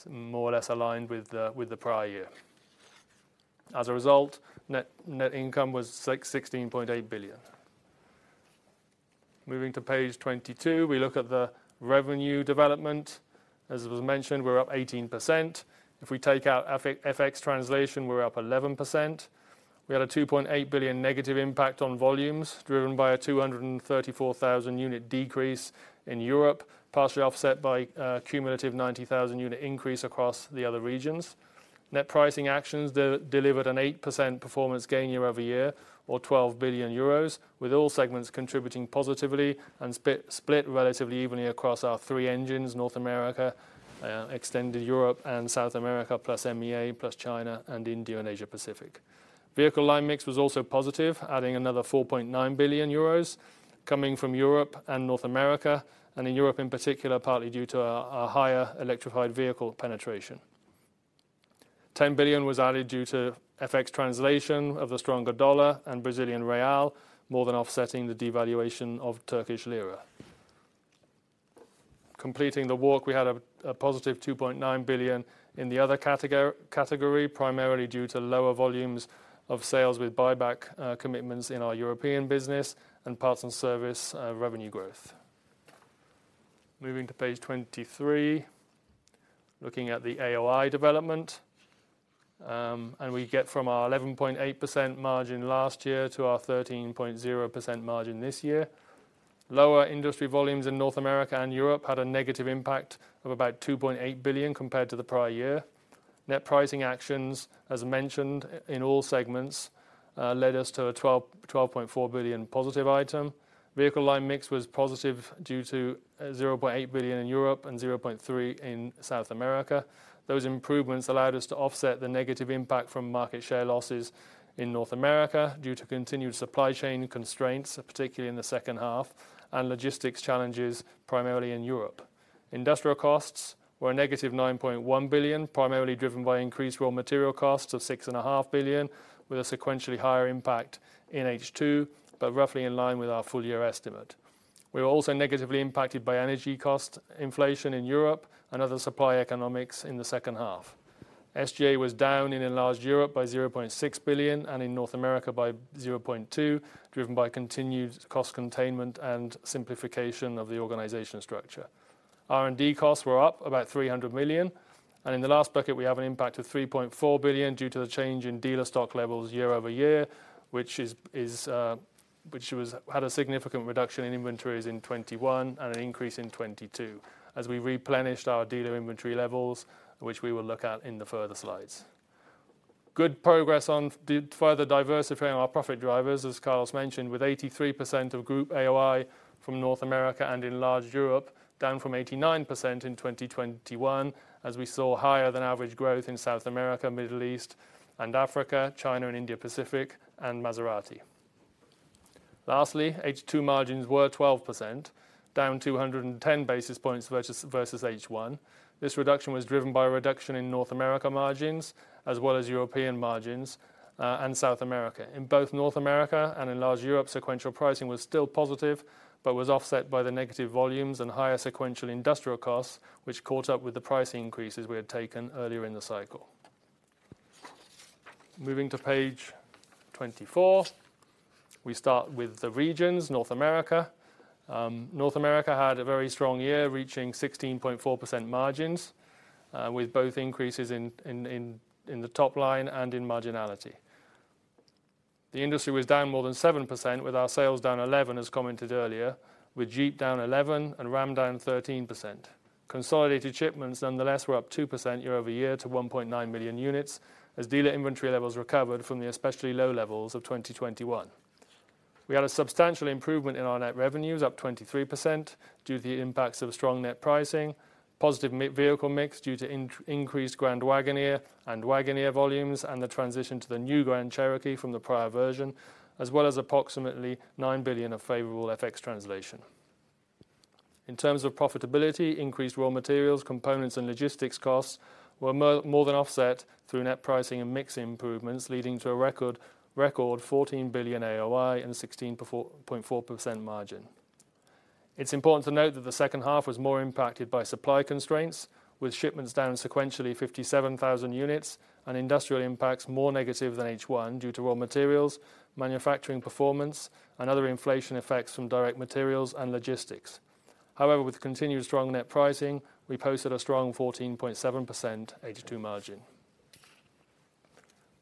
more or less aligned with the prior year. As a result, net income was 16.8 billion. Moving to page 22, we look at the revenue development. As was mentioned, we're up 18%. If we take out FX translation, we're up 11%. We had a 2.8 billion negative impact on volumes, driven by a 234,000 unit decrease in Europe, partially offset by a cumulative 90,000 unit increase across the other regions. Net pricing actions de-delivered an 8% performance gain year-over-year or 12 billion euros, with all segments contributing positively and split relatively evenly across our three engines, North America, extended Europe and South America, plus MEA, plus China and India, and Asia-Pacific. Vehicle line mix was also positive, adding another 4.9 billion euros coming from Europe and North America, and in Europe in particular, partly due to a higher electrified vehicle penetration. 10 billion was added due to FX translation of the stronger dollar and Brazilian real, more than offsetting the devaluation of Turkish lira. Completing the walk, we had a positive 2.9 billion in the other category, primarily due to lower volumes of sales with buyback commitments in our European business and parts and service revenue growth. Moving to page 23, looking at the AOI development, we get from our 11.8% margin last year to our 13.0% margin this year. Lower industry volumes in North America and Europe had a negative impact of about 2.8 billion compared to the prior year. Net pricing actions, as mentioned, in all segments, led us to a 12.4 billion positive item. Vehicle line mix was positive due to 0.8 billion in Europe and 0.3 billion in South America. Those improvements allowed us to offset the negative impact from market share losses in North America due to continued supply chain constraints, particularly in the second half, and logistics challenges, primarily in Europe. Industrial costs were a negative 9.1 billion, primarily driven by increased raw material costs of 6.5 billion with a sequentially higher impact in H2, but roughly in line with our full year estimate. We were also negatively impacted by energy cost inflation in Europe and other supply economics in the second half. SGA was down in Enlarged Europe by 0.6 billion and in North America by 0.2 billion, driven by continued cost containment and simplification of the organizational structure. R&D costs were up about 300 million. In the last bucket, we have an impact of $3.4 billion due to the change in dealer stock levels year-over-year, which is, which was had a significant reduction in inventories in 2021 and an increase in 2022 as we replenished our dealer inventory levels, which we will look at in the further slides. Good progress on further diversifying our profit drivers, as Carlos mentioned, with 83% of Group AOI from North America and in large Europe, down from 89% in 2021, as we saw higher than average growth in South America, Middle East and Africa, China and India Pacific and Maserati. Lastly, H2 margins were 12%, down 210 basis points versus H1. This reduction was driven by a reduction in North America margins, as well as European margins and South America. In both North America and in large Europe, sequential pricing was still positive, but was offset by the negative volumes and higher sequential industrial costs, which caught up with the price increases we had taken earlier in the cycle. Moving to page 24. We start with the regions, North America. North America had a very strong year, reaching 16.4% margins, with both increases in the top line and in marginality. The industry was down more than 7% with our sales down 11, as commented earlier, with Jeep down 11 and Ram down 13%. Consolidated shipments nonetheless were up 2% year-over-year to 1.9 million units as dealer inventory levels recovered from the especially low levels of 2021. We had a substantial improvement in our net revenues, up 23%, due to the impacts of strong net pricing, positive vehicle mix due to increased Grand Wagoneer and Wagoneer volumes, and the transition to the new Grand Cherokee from the prior version, as well as approximately $9 billion of favorable FX translation. In terms of profitability, increased raw materials, components and logistics costs were more than offset through net pricing and mixing improvements, leading to a record $14 billion AOI and 16.4% margin. It's important to note that the second half was more impacted by supply constraints, with shipments down sequentially 57,000 units and industrial impacts more negative than H1 due to raw materials, manufacturing performance, and other inflation effects from direct materials and logistics. However, with continued strong net pricing, we posted a strong 14.7% H2 margin.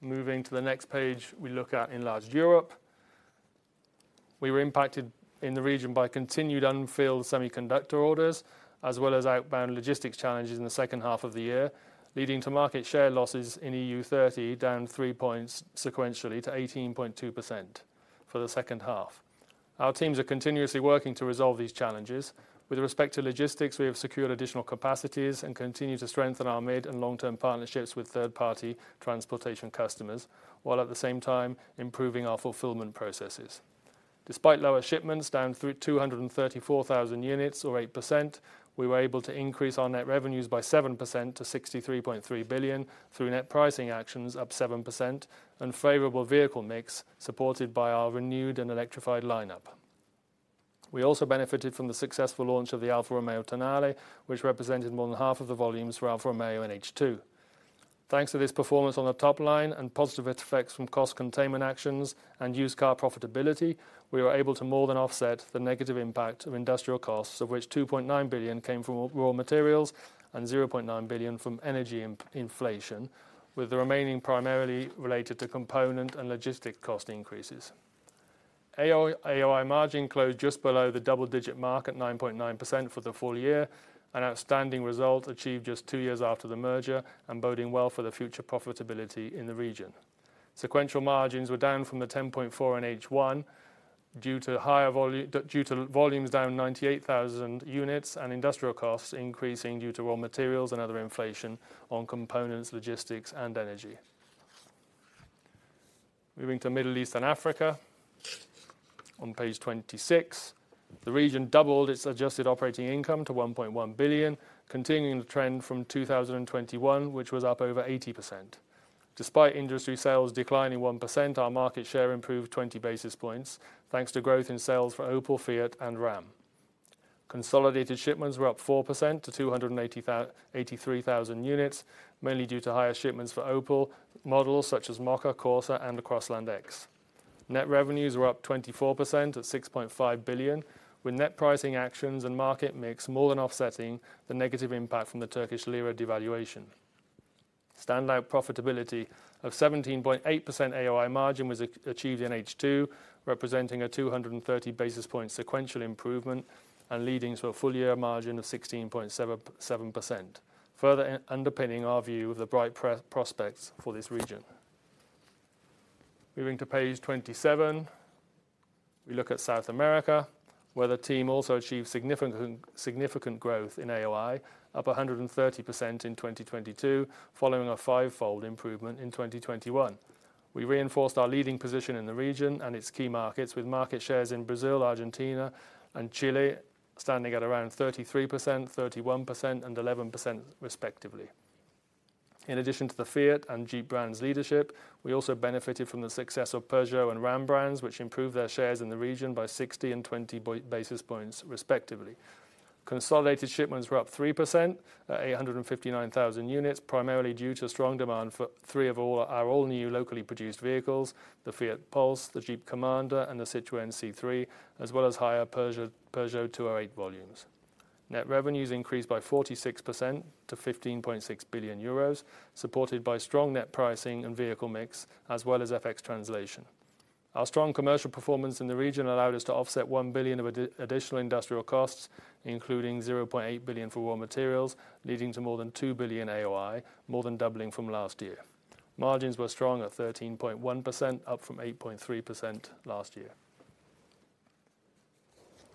Moving to the next page, we look at Enlarged Europe. We were impacted in the region by continued unfilled semiconductor orders, as well as outbound logistics challenges in the second half of the year, leading to market share losses in EU30, down 3 points sequentially to 18.2% for the second half. Our teams are continuously working to resolve these challenges. With respect to logistics, we have secured additional capacities and continue to strengthen our mid and long-term partnerships with third-party transportation customers, while at the same time improving our fulfillment processes. Despite lower shipments down through 234,000 units or 8%, we were able to increase our net revenues by 7% to 63.3 billion through net pricing actions up 7% and favorable vehicle mix supported by our renewed and electrified lineup. We also benefited from the successful launch of the Alfa Romeo Tonale, which represented more than half of the volumes for Alfa Romeo in H2. Thanks to this performance on the top line and positive effects from cost containment actions and used car profitability, we were able to more than offset the negative impact of industrial costs, of which 2.9 billion came from raw materials and 0.9 billion from energy inflation, with the remaining primarily related to component and logistic cost increases. AOI margin closed just below the double-digit mark at 9.9% for the full year, an outstanding result achieved just two years after the merger and boding well for the future profitability in the region. Sequential margins were down from the 10.4% in H1 due to volumes down 98,000 units and industrial costs increasing due to raw materials and other inflation on components, logistics and energy. Moving to Middle East and Africa. On page 26, the region doubled its Adjusted Operating Income to 1.1 billion, continuing the trend from 2021, which was up over 80%. Despite industry sales declining 1%, our market share improved 20 basis points, thanks to growth in sales for Opel, Fiat and Ram. Consolidated shipments were up 4% to 283,000 units, mainly due to higher shipments for Opel models such as Mokka, Corsa and the Crossland X. Net revenues were up 24% at 6.5 billion, with net pricing actions and market mix more than offsetting the negative impact from the Turkish lira devaluation. Standout profitability of 17.8% AOI margin was achieved in H2, representing a 230 basis point sequential improvement and leading to a full year margin of 16.77%. Further underpinning our view of the bright prospects for this region. Moving to page 27, we look at South America, where the team also achieved significant growth in AOI, up 130% in 2022, following a 5-fold improvement in 2021. We reinforced our leading position in the region and its key markets with market shares in Brazil, Argentina, and Chile, standing at around 33%, 31%, and 11%, respectively. In addition to the Fiat and Jeep brands leadership, we also benefited from the success of Peugeot and Ram brands, which improved their shares in the region by 60 and 20 basis points, respectively. Consolidated shipments were up 3% at 859,000 units, primarily due to strong demand for three of our all new locally produced vehicles, the Fiat Pulse, the Jeep Commander, and the Citroën ë-C3, as well as higher Peugeot 208 volumes. Net revenues increased by 46% to 15.6 billion euros, supported by strong net pricing and vehicle mix as well as FX translation. Our strong commercial performance in the region allowed us to offset 1 billion of additional industrial costs, including 0.8 billion for raw materials, leading to more than 2 billion AOI, more than doubling from last year. Margins were strong at 13.1%, up from 8.3% last year.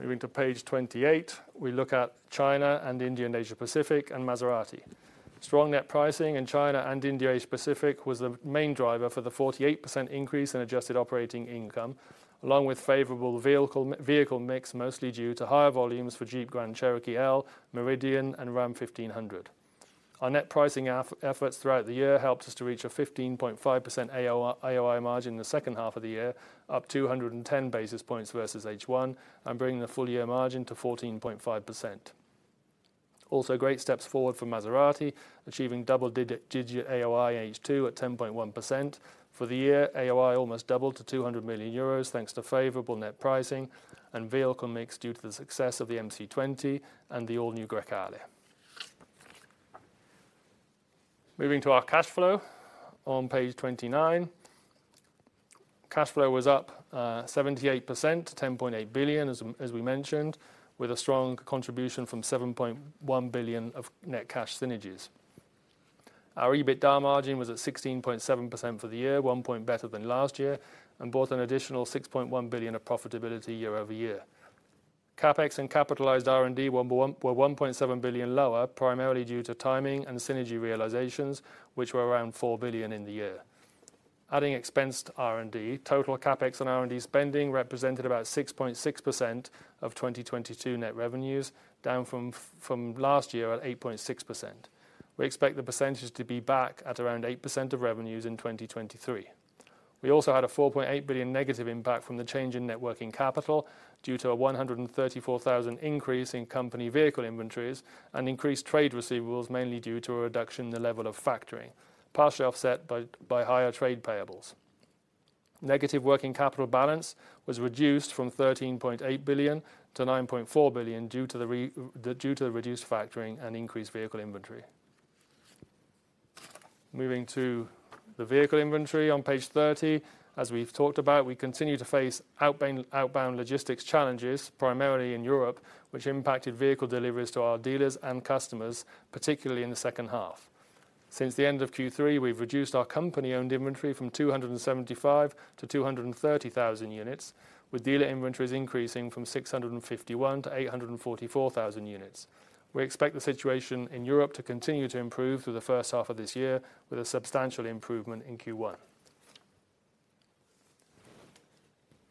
Moving to page 28, we look at China and India and Asia Pacific and Maserati. Strong net pricing in China and India Asia Pacific was the main driver for the 48% increase in Adjusted Operating Income, along with favorable vehicle mix, mostly due to higher volumes for Jeep Grand Cherokee L, Meridian, and Ram 1500. Our net pricing efforts throughout the year helped us to reach a 15.5% AOI margin in the second half of the year, up 210 basis points versus H1, and bringing the full year margin to 14.5%. Great steps forward for Maserati, achieving double digit AOI H2 at 10.1%. For the year, AOI almost doubled to 200 million euros, thanks to favorable net pricing and vehicle mix due to the success of the MC20 and the all-new Grecale. Moving to our cash flow on page 29. Cash flow was up 78% to 10.8 billion, as we mentioned, with a strong contribution from 7.1 billion of net cash synergies. Our EBITDA margin was at 16.7% for the year, 1 point better than last year, and brought an additional 6.1 billion of profitability year-over-year. CapEx and capitalized R&D were 1.7 billion lower, primarily due to timing and synergy realizations, which were around 4 billion in the year. Adding expensed R&D, total CapEx and R&D spending represented about 6.6% of 2022 net revenues, down from last year at 8.6%. We expect the percentage to be back at around 8% of revenues in 2023. We also had a 4.8 billion negative impact from the change in net working capital due to a 134,000 increase in company vehicle inventories and increased trade receivables, mainly due to a reduction in the level of factoring, partially offset by higher trade payables. Negative working capital balance was reduced from 13.8 billion to 9.4 billion due to the reduced factoring and increased vehicle inventory. Moving to the vehicle inventory on page 30. As we've talked about, we continue to face outbound logistics challenges, primarily in Europe, which impacted vehicle deliveries to our dealers and customers, particularly in the second half. Since the end of Q3, we've reduced our company-owned inventory from 275 to 230,000 units, with dealer inventories increasing from 651 to 844,000 units. We expect the situation in Europe to continue to improve through the first half of this year with a substantial improvement in Q1.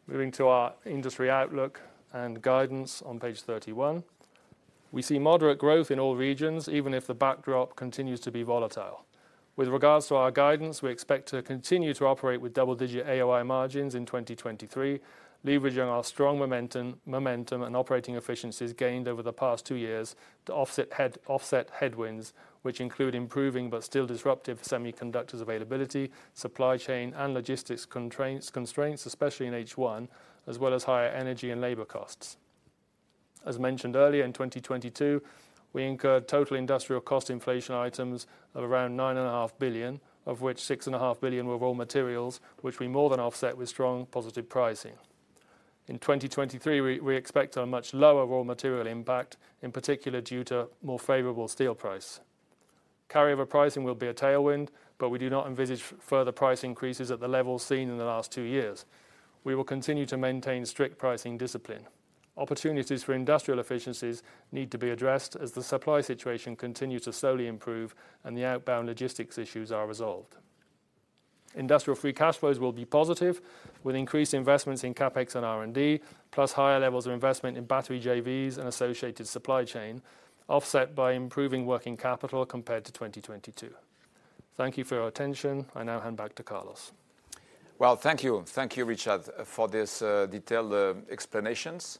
Moving to our industry outlook and guidance on page 31. We see moderate growth in all regions, even if the backdrop continues to be volatile. With regards to our guidance, we expect to continue to operate with double-digit AOI margins in 2023, leveraging our strong momentum and operating efficiencies gained over the past two years to offset headwinds, which include improving but still disruptive semiconductors availability, supply chain and logistics constraints, especially in H1, as well as higher energy and labor costs. As mentioned earlier, in 2022, we incurred total industrial cost inflation items of around 9.5 billion, of which 6.5 billion were raw materials, which we more than offset with strong positive pricing. In 2023, we expect a much lower raw material impact, in particular due to more favorable steel price. Carry over pricing will be a tailwind, but we do not envisage further price increases at the levels seen in the last two years. We will continue to maintain strict pricing discipline. Opportunities for industrial efficiencies need to be addressed as the supply situation continue to slowly improve and the outbound logistics issues are resolved. Industrial free cash flows will be positive, with increased investments in CapEx and R&D, plus higher levels of investment in battery JVs and associated supply chain, offset by improving working capital compared to 2022. Thank you for your attention. I now hand back to Carlos.
Well, thank you. Thank you, Richard, for this detailed explanations.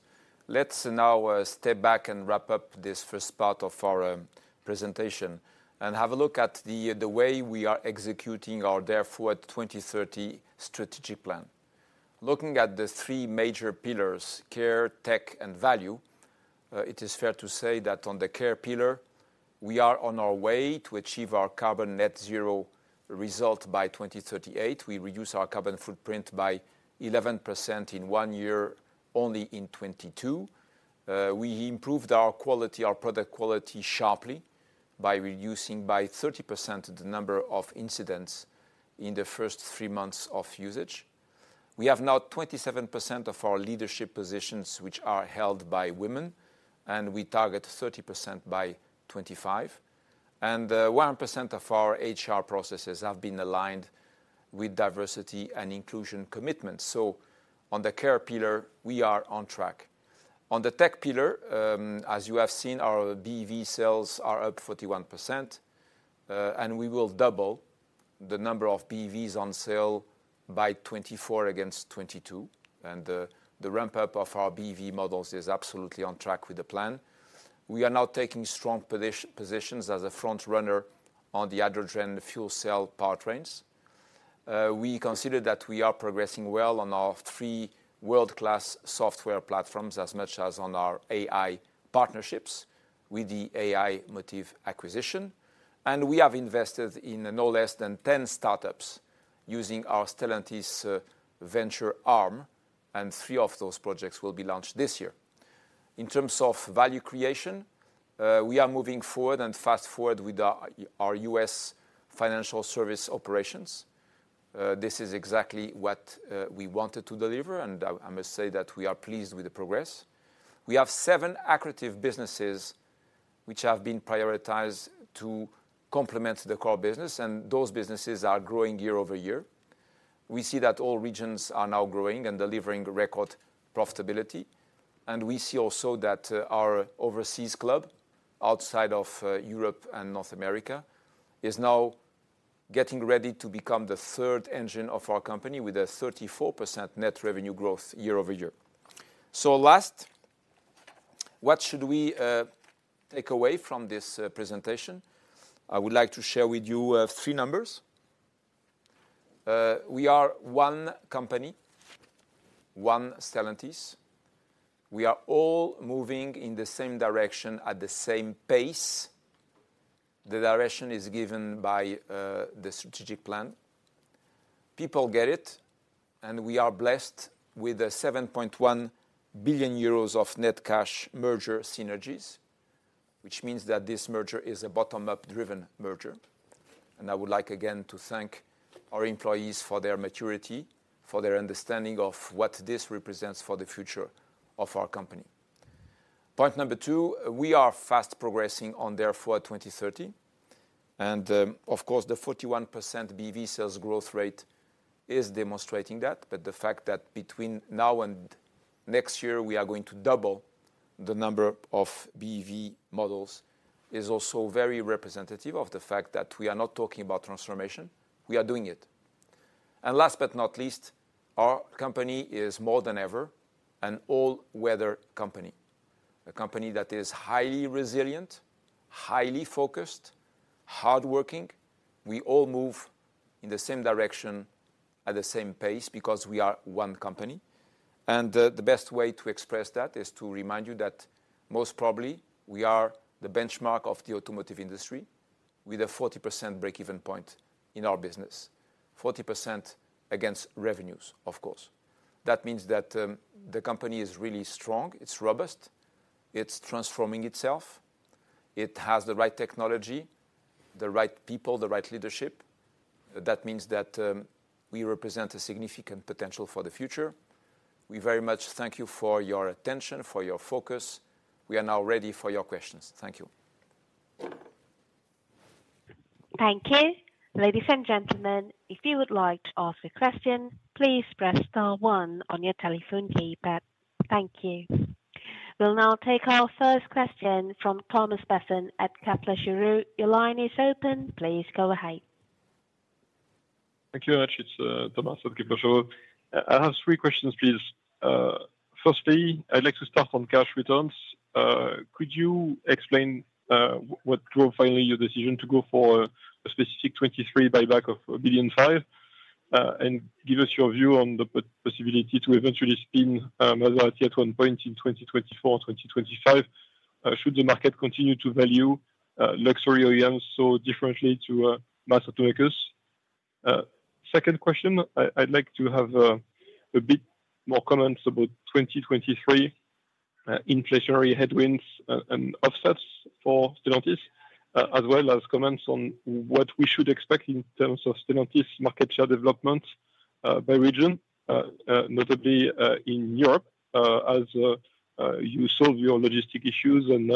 Let's now step back and wrap up this first part of our presentation and have a look at the way we are executing our Dare Forward 2030 strategy plan. Looking at the three major pillars, care, tech, and value, it is fair to say that on the care pillar, we are on our way to achieve our carbon net zero result by 2038. We reduce our carbon footprint by 11% in one year, only in 2022. We improved our quality, our product quality sharply. By reducing by 30% the number of incidents in the first three months of usage. We have now 27% of our leadership positions which are held by women, and we target 30% by 2025. 1% of our HR processes have been aligned with diversity and inclusion commitments. On the care pillar, we are on track. On the tech pillar, as you have seen, our BEV sales are up 41%. We will double the number of BEVs on sale by 2024 against 2022. The ramp-up of our BEV models is absolutely on track with the plan. We are now taking strong positions as a frontrunner on the hydrogen fuel cell powertrains. We consider that we are progressing well on our 3 world-class software platforms, as much as on our AI partnerships with the aiMotive acquisition. We have invested in no less than 10 startups using our Stellantis Ventures arm, and 3 of those projects will be launched this year. In terms of value creation, we are moving forward, and fast forward with our U.S. financial service operations. This is exactly what we wanted to deliver, and I must say that we are pleased with the progress. We have seven accretive businesses which have been prioritized to complement the core business, and those businesses are growing year-over-year. We see that all regions are now growing and delivering record profitability. We see also that our overseas club, outside of Europe and North America, is now getting ready to become the third engine of our company with a 34% net revenue growth year-over-year. Last, what should we take away from this presentation? I would like to share with you three numbers. We are one company, one Stellantis. We are all moving in the same direction at the same pace. The direction is given by the strategic plan. People get it, we are blessed with 7.1 billion euros of net cash merger synergies, which means that this merger is a bottom-up driven merger. I would like, again, to thank our employees for their maturity, for their understanding of what this represents for the future of our company. Point number two, we are fast progressing on Dare Forward 2030. Of course, the 41% BEV sales growth rate is demonstrating that. The fact that between now and next year we are going to double the number of BEV models is also very representative of the fact that we are not talking about transformation, we are doing it. Last but not least, our company is more than ever an all-weather company. A company that is highly resilient, highly focused, hardworking. We all move in the same direction at the same pace because we are one company. The best way to express that is to remind you that most probably we are the benchmark of the automotive industry with a 40% break-even point in our business. 40% against revenues, of course. This means that the company is really strong, it's robust, it's transforming itself. It has the right technology, the right people, the right leadership. This means that we represent a significant potential for the future. We very much thank you for your attention, for your focus. We are now ready for your questions. Thank you.
Thank you. Ladies and gentlemen, if you would like to ask a question, please press star one on your telephone keypad. Thank you. We'll now take our first question from Thomas Besson at Kepler Cheuvreux. Your line is open. Please go ahead.
Thank you very much. It's Thomas of Kepler Cheuvreux. I have three questions, please. Firstly, I'd like to start on cash returns. Could you explain what drove finally your decision to go for a specific 2023 buyback of 1.5 billion? Give us your view on the possibility to eventually spin Maserati at one point in 2024, 2025, should the market continue to value luxury OEMs so differently to mass automakers. Second question. I'd like to have a bit more comments about 2023 inflationary headwinds and offsets for Stellantis, as well as comments on what we should expect in terms of Stellantis market share development by region, notably in Europe, as you solve your logistic issues and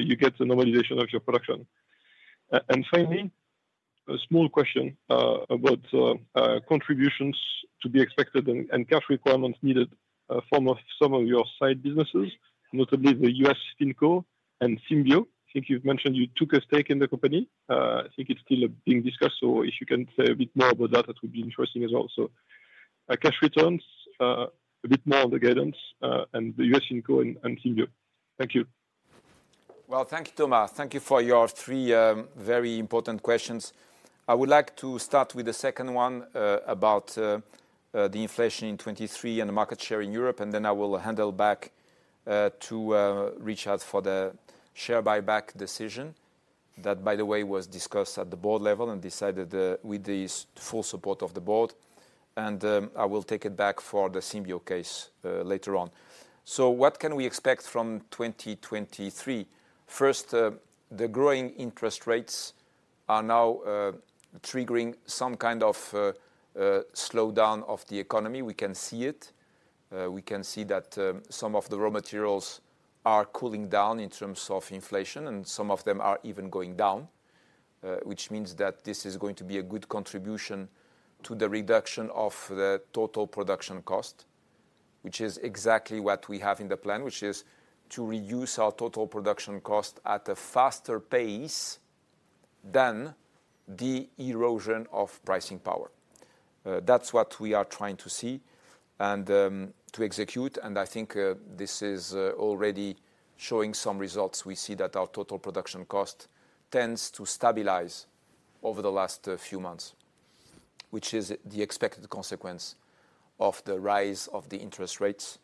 you get the normalization of your production. Finally, a small question about contributions to be expected and cash requirements needed from some of your side businesses, notably the U.S. Finco and Symbio. I think you've mentioned you took a stake in the company. I think it's still being discussed, so if you can say a bit more about that, it would be interesting as well. Cash returns, a bit more on the guidance, and the U.S. Finco and Symbio. Thank you.
Well, thank you, Thomas. Thank you for your 3 very important questions. I would like to start with the second one about the inflation in 2023 and the market share in Europe, and then I will hand it back to Richard for the share buyback decision. That, by the way, was discussed at the board level and decided with the full support of the board. I will take it back for the Symbio case later on. What can we expect from 2023? First, the growing interest rates are now triggering some kind of slowdown of the economy. We can see it. We can see that some of the raw materials are cooling down in terms of inflation, and some of them are even going down, which means that this is going to be a good contribution to the reduction of the total production cost, which is exactly what we have in the plan, which is to reduce our total production cost at a faster pace than the erosion of pricing power. That's what we are trying to see and to execute, and I think this is already showing some results. We see that our total production cost tends to stabilize over the last few months, which is the expected consequence of the rise of the interest rates,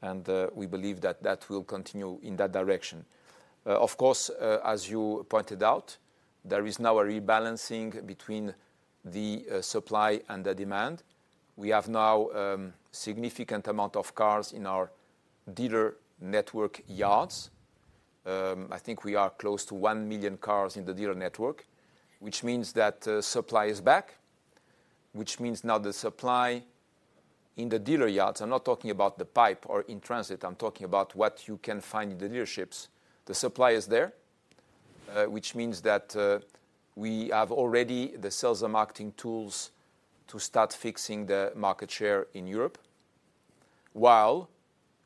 and we believe that that will continue in that direction. Of course, as you pointed out, there is now a rebalancing between the supply and the demand. We have now significant amount of cars in our dealer network yards. I think we are close to 1 million cars in the dealer network, which means that supply is back, which means now the supply in the dealer yards, I'm not talking about the pipe or in transit, I'm talking about what you can find in the dealerships. The supply is there, which means that we have already the sales and marketing tools to start fixing the market share in Europe, while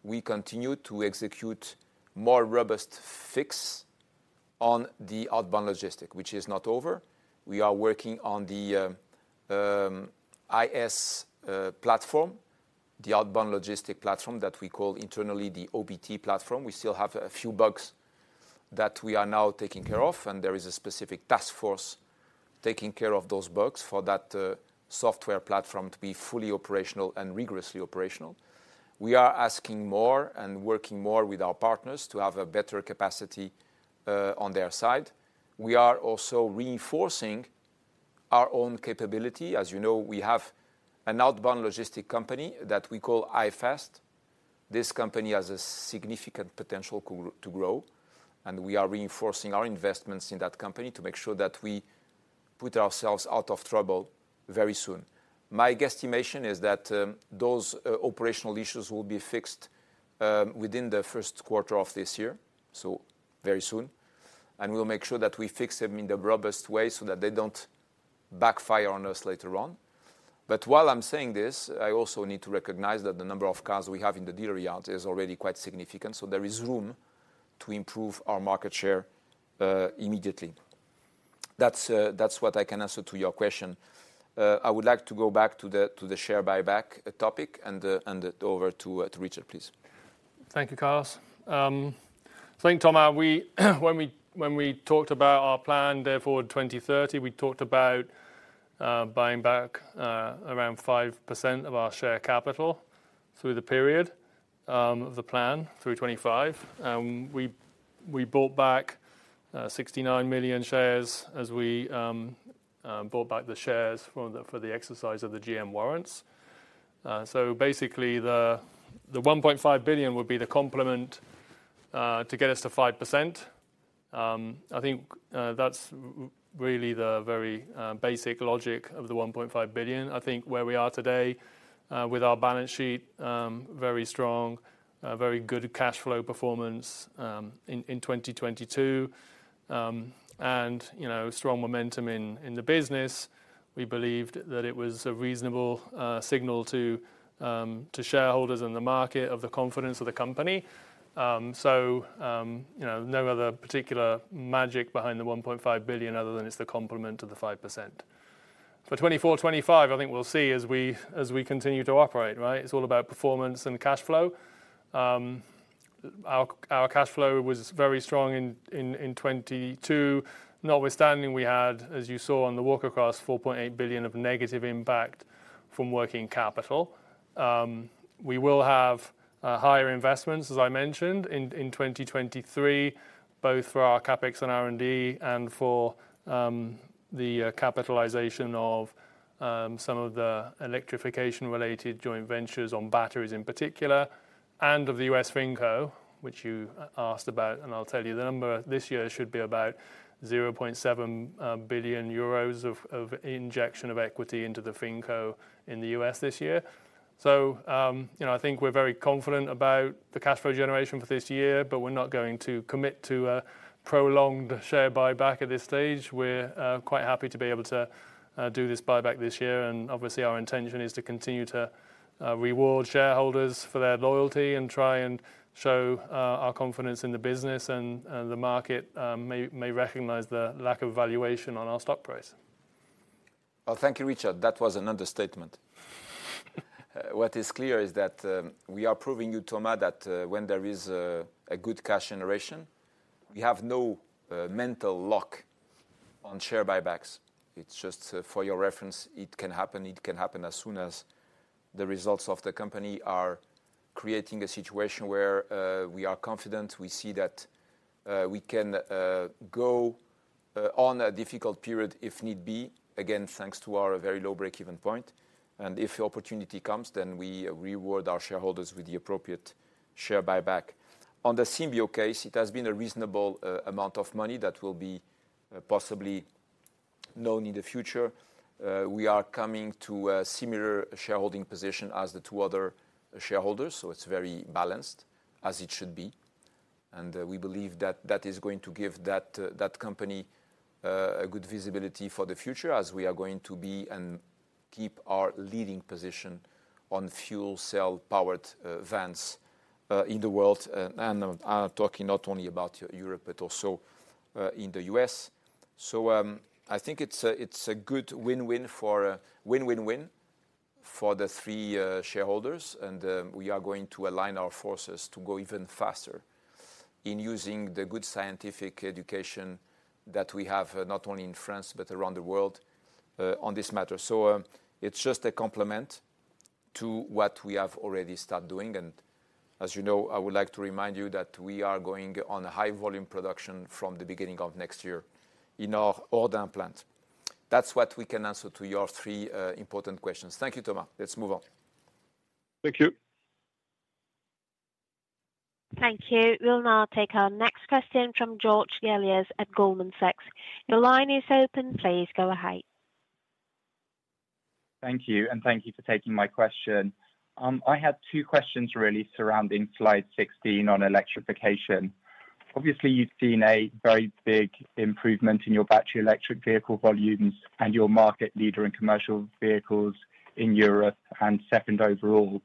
we continue to execute more robust fix on the outbound logistic, which is not over. We are working on the iFast platform, the outbound logistic platform that we call internally the OBT platform. We still have a few bugs that we are now taking care of, and there is a specific task force taking care of those bugs for that software platform to be fully operational and rigorously operational. We are asking more and working more with our partners to have a better capacity on their side. We are also reinforcing our own capability. As you know, we have an outbound logistic company that we call iFast. This company has a significant potential to grow, and we are reinforcing our investments in that company to make sure that we put ourselves out of trouble very soon. My guesstimation is that those operational issues will be fixed within the first quarter of this year, so very soon. We'll make sure that we fix them in the robust way so that they don't backfire on us later on. While I'm saying this, I also need to recognize that the number of cars we have in the dealer yards is already quite significant. There is room to improve our market share immediately. That's what I can answer to your question. I would like to go back to the share buyback topic and it over to Richard, please.
Thank you, Carlos. I think, Thomas, when we talked about our plan, Dare Forward 2030, we talked about buying back around 5% of our share capital through the period of the plan through 2025. We bought back 69 million shares as we bought back the shares for the exercise of the GM warrants. Basically, the 1.5 billion would be the complement to get us to 5%. I think that's really the very basic logic of the 1.5 billion. I think where we are today with our balance sheet, very strong, very good cash flow performance in 2022, and, you know, strong momentum in the business. We believed that it was a reasonable signal to shareholders in the market of the confidence of the company. You know, no other particular magic behind the 1.5 billion, other than it's the complement of the 5%. For 2024, 2025, I think we'll see as we continue to operate, right? It's all about performance and cash flow. Our cash flow was very strong in 2022. Notwithstanding, we had, as you saw on the walk across, 4.8 billion of negative impact from working capital. We will have higher investments, as I mentioned, in 2023, both for our CapEx and R&D and for the capitalization of some of the electrification-related joint ventures on batteries in particular, and of the U.S. Finco, which you asked about, and I'll tell you the number. This year should be about 0.7 billion euros injection of equity into the Finco in the U.S. this year. You know, I think we're very confident about the cash flow generation for this year, but we're not going to commit to a prolonged share buyback at this stage. We're quite happy to be able to do this buyback this year. Obviously, our intention is to continue to reward shareholders for their loyalty and try and show our confidence in the business and the market, may recognize the lack of valuation on our stock price.
Well, thank you, Richard. That was an understatement. What is clear is that we are proving you, Thomas, that when there is a good cash generation, we have no mental lock on share buybacks. It's just for your reference. It can happen. It can happen as soon as the results of the company are creating a situation where we are confident. We see that we can go on a difficult period if need be. Again, thanks to our very low breakeven point. If the opportunity comes, then we reward our shareholders with the appropriate share buyback. On the Symbio case, it has been a reasonable amount of money that will be possibly known in the future. We are coming to a similar shareholding position as the two other shareholders, so it's very balanced, as it should be. We believe that that is going to give that company a good visibility for the future as we are going to be and keep our leading position on fuel cell-powered vans in the world, talking not only about Europe but also in the U.S. I think it's a, it's a good win-win for a win-win-win for the three shareholders, and we are going to align our forces to go even faster in using the good scientific education that we have, not only in France, but around the world on this matter. It's just a complement to what we have already start doing. As you know, I would like to remind you that we are going on a high volume production from the beginning of next year in our Hordain plant. That's what we can answer to your three important questions. Thank you, Thomas. Let's move on.
Thank you.
Thank you. We'll now take our next question from George Galliers at Goldman Sachs. Your line is open. Please go ahead.
Thank you, thank you for taking my question. I had 2 questions really surrounding slide 16 on electrification. Obviously, you've seen a very big improvement in your battery electric vehicle volumes and your market leader in commercial vehicles in Europe and 2nd overall.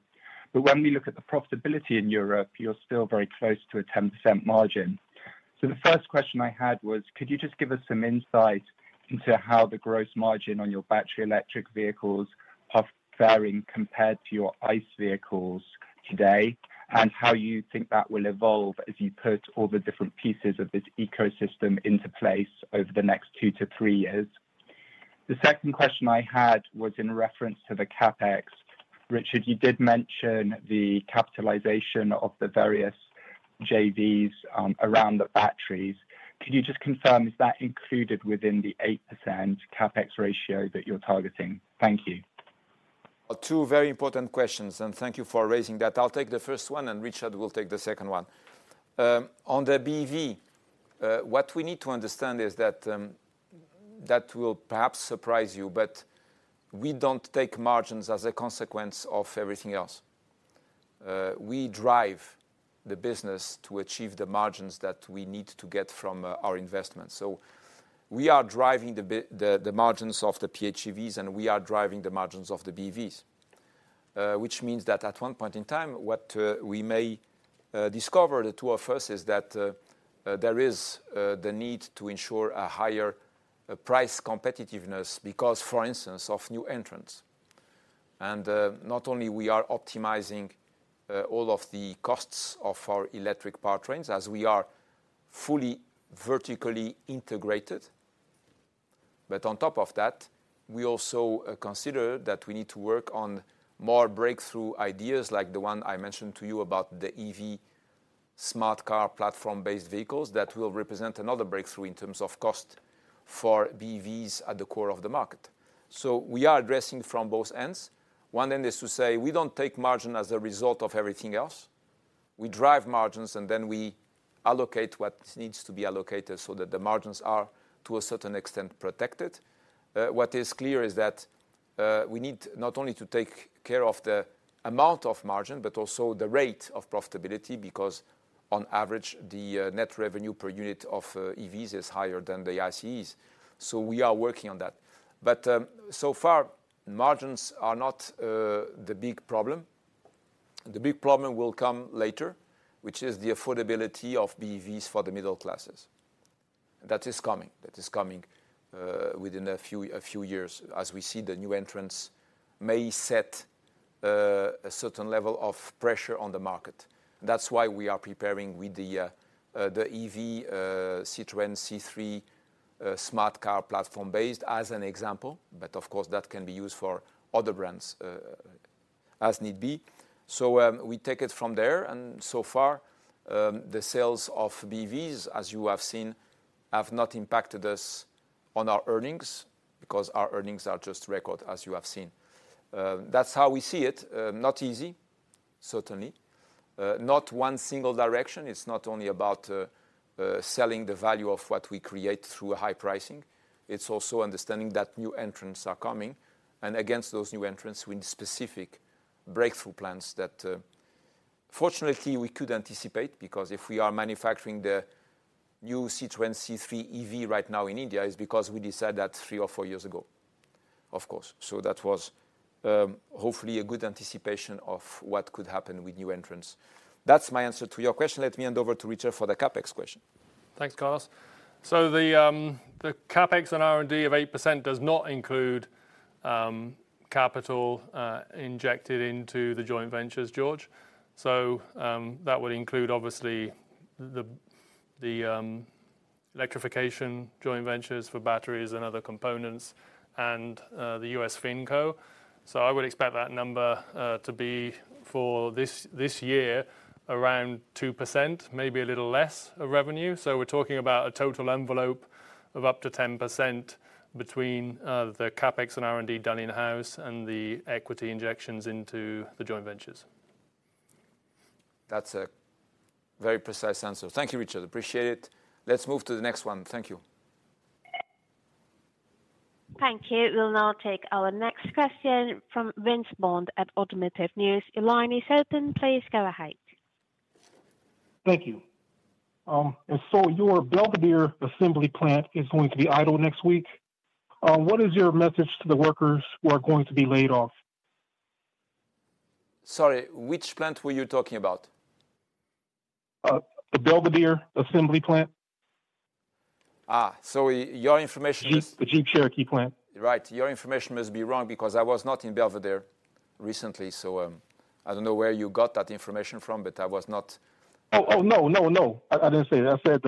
When we look at the profitability in Europe, you're still very close to a 10% margin. The first question I had was, could you just give us some insight into how the gross margin on your battery electric vehicles are faring compared to your ICE vehicles today, and how you think that will evolve as you put all the different pieces of this ecosystem into place over the next 2-3 years? The 2nd question I had was in reference to the CapEx. Richard, you did mention the capitalization of the various JVs around the batteries. Could you just confirm, is that included within the 8% CapEx ratio that you're targeting? Thank you.
Two very important questions. Thank you for raising that. I'll take the first one. Richard will take the second one. On the BEV, what we need to understand is that will perhaps surprise you, but we don't take margins as a consequence of everything else. We drive the business to achieve the margins that we need to get from our investment. We are driving the margins of the PHEVs, and we are driving the margins of the BEVs. Which means that at one point in time, what we may discover, the two of us, is that there is the need to ensure a higher price competitiveness because, for instance, of new entrants. Not only we are optimizing all of the costs of our electric powertrains as we are fully vertically integrated, but on top of that, we also consider that we need to work on more breakthrough ideas like the one I mentioned to you about the EV Smart Car platform-based vehicles that will represent another breakthrough in terms of cost for BEVs at the core of the market. We are addressing from both ends. One end is to say we don't take margin as a result of everything else. We drive margins, and then we allocate what needs to be allocated so that the margins are to a certain extent protected. What is clear is that, we need not only to take care of the amount of margin, but also the rate of profitability, because on average, the, net revenue per unit of, EVs is higher than the ICEs. We are working on that. So far, margins are not, the big problem. The big problem will come later, which is the affordability of BEVs for the middle classes. That is coming. That is coming, within a few years, as we see the new entrants may set, a certain level of pressure on the market. That's why we are preparing with the EV, Citroën ë-C3, Smart Car platform-based as an example, but of course, that can be used for other brands, as need be. We take it from there. So far, the sales of BEVs, as you have seen, have not impacted us on our earnings because our earnings are just record, as you have seen. That's how we see it. Not easy, certainly. Not one single direction. It's not only about selling the value of what we create through high pricing. It's also understanding that new entrants are coming. Against those new entrants, we need specific breakthrough plans that, fortunately, we could anticipate, because if we are manufacturing the new Citroën ë-C3 EV right now in India, it's because we decided that 3 or 4 years ago, of course. That was, hopefully a good anticipation of what could happen with new entrants. That's my answer to your question. Let me hand over to Richard for the CapEx question.
Thanks, Carlos. The CapEx and R&D of 8% does not include capital injected into the joint ventures, George. That would include obviously the Electrification, joint ventures for batteries and other components, and the U.S. Finco. I would expect that number to be, for this year, around 2%, maybe a little less of revenue. We're talking about a total envelope of up to 10% between the CapEx and R&D done in-house and the equity injections into the joint ventures.
That's a very precise answer. Thank you, Richard. Appreciate it. Let's move to the next one. Thank you.
Thank you. We'll now take our next question from Vince Bond Jr. At Automotive News. Your line is open. Please go ahead.
Thank you. Your Belvidere assembly plant is going to be idle next week. What is your message to the workers who are going to be laid off?
Sorry, which plant were you talking about?
The Belvidere Assembly Plant.
Your information is.
the Jeep Cherokee plant.
Right. Your information must be wrong because I was not in Belvidere recently, so I don't know where you got that information from, but I was not.
Oh, oh, no, no, I didn't say that. I said,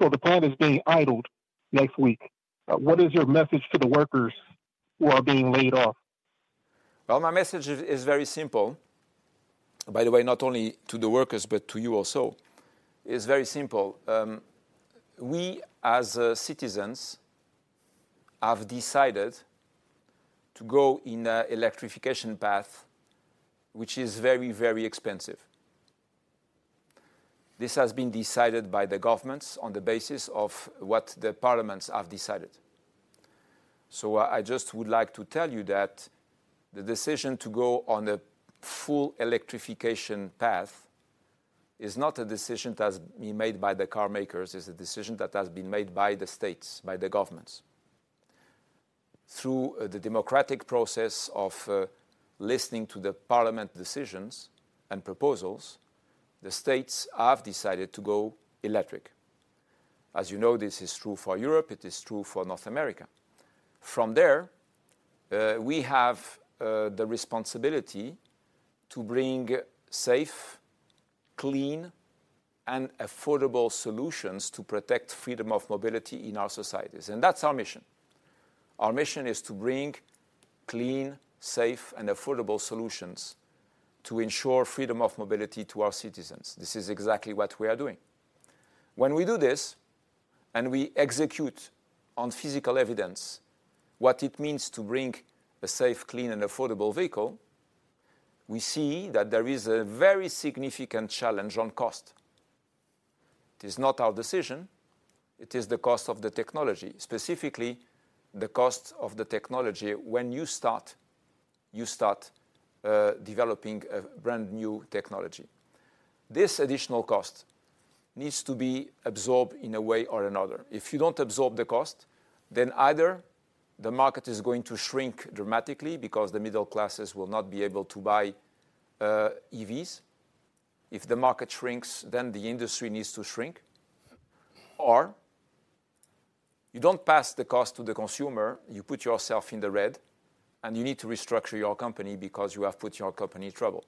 so the plant is being idled next week. What is your message to the workers who are being laid off?
My message is very simple. By the way, not only to the workers, but to you also. It's very simple. We, as citizens, have decided to go in an electrification path which is very expensive. This has been decided by the governments on the basis of what the parliaments have decided. I just would like to tell you that the decision to go on the full electrification path is not a decision that's been made by the carmakers. It's a decision that has been made by the states, by the governments. Through the democratic process of listening to the parliament decisions and proposals, the states have decided to go electric. As you know, this is true for Europe. It is true for North America. From there, we have the responsibility to bring safe, clean, and affordable solutions to protect freedom of mobility in our societies. That's our mission. Our mission is to bring clean, safe, and affordable solutions to ensure freedom of mobility to our citizens. This is exactly what we are doing. When we do this, and we execute on physical evidence what it means to bring a safe, clean, and affordable vehicle, we see that there is a very significant challenge on cost. It is not our decision. It is the cost of the technology, specifically the cost of the technology when you start developing a brand-new technology. This additional cost needs to be absorbed in a way or another. If you don't absorb the cost, then either the market is going to shrink dramatically because the middle classes will not be able to buy EVs. If the market shrinks, then the industry needs to shrink. Or you don't pass the cost to the consumer, you put yourself in the red, and you need to restructure your company because you have put your company in trouble.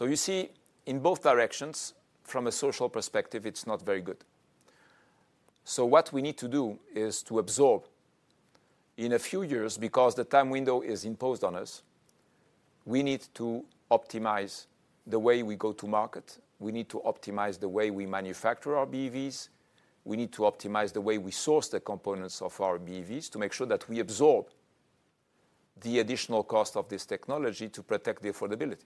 You see, in both directions, from a social perspective, it's not very good. What we need to do is to absorb in a few years, because the time window is imposed on us, we need to optimize the way we go to market. We need to optimize the way we manufacture our BEVs. We need to optimize the way we source the components of our BEVs to make sure that we absorb the additional cost of this technology to protect the affordability.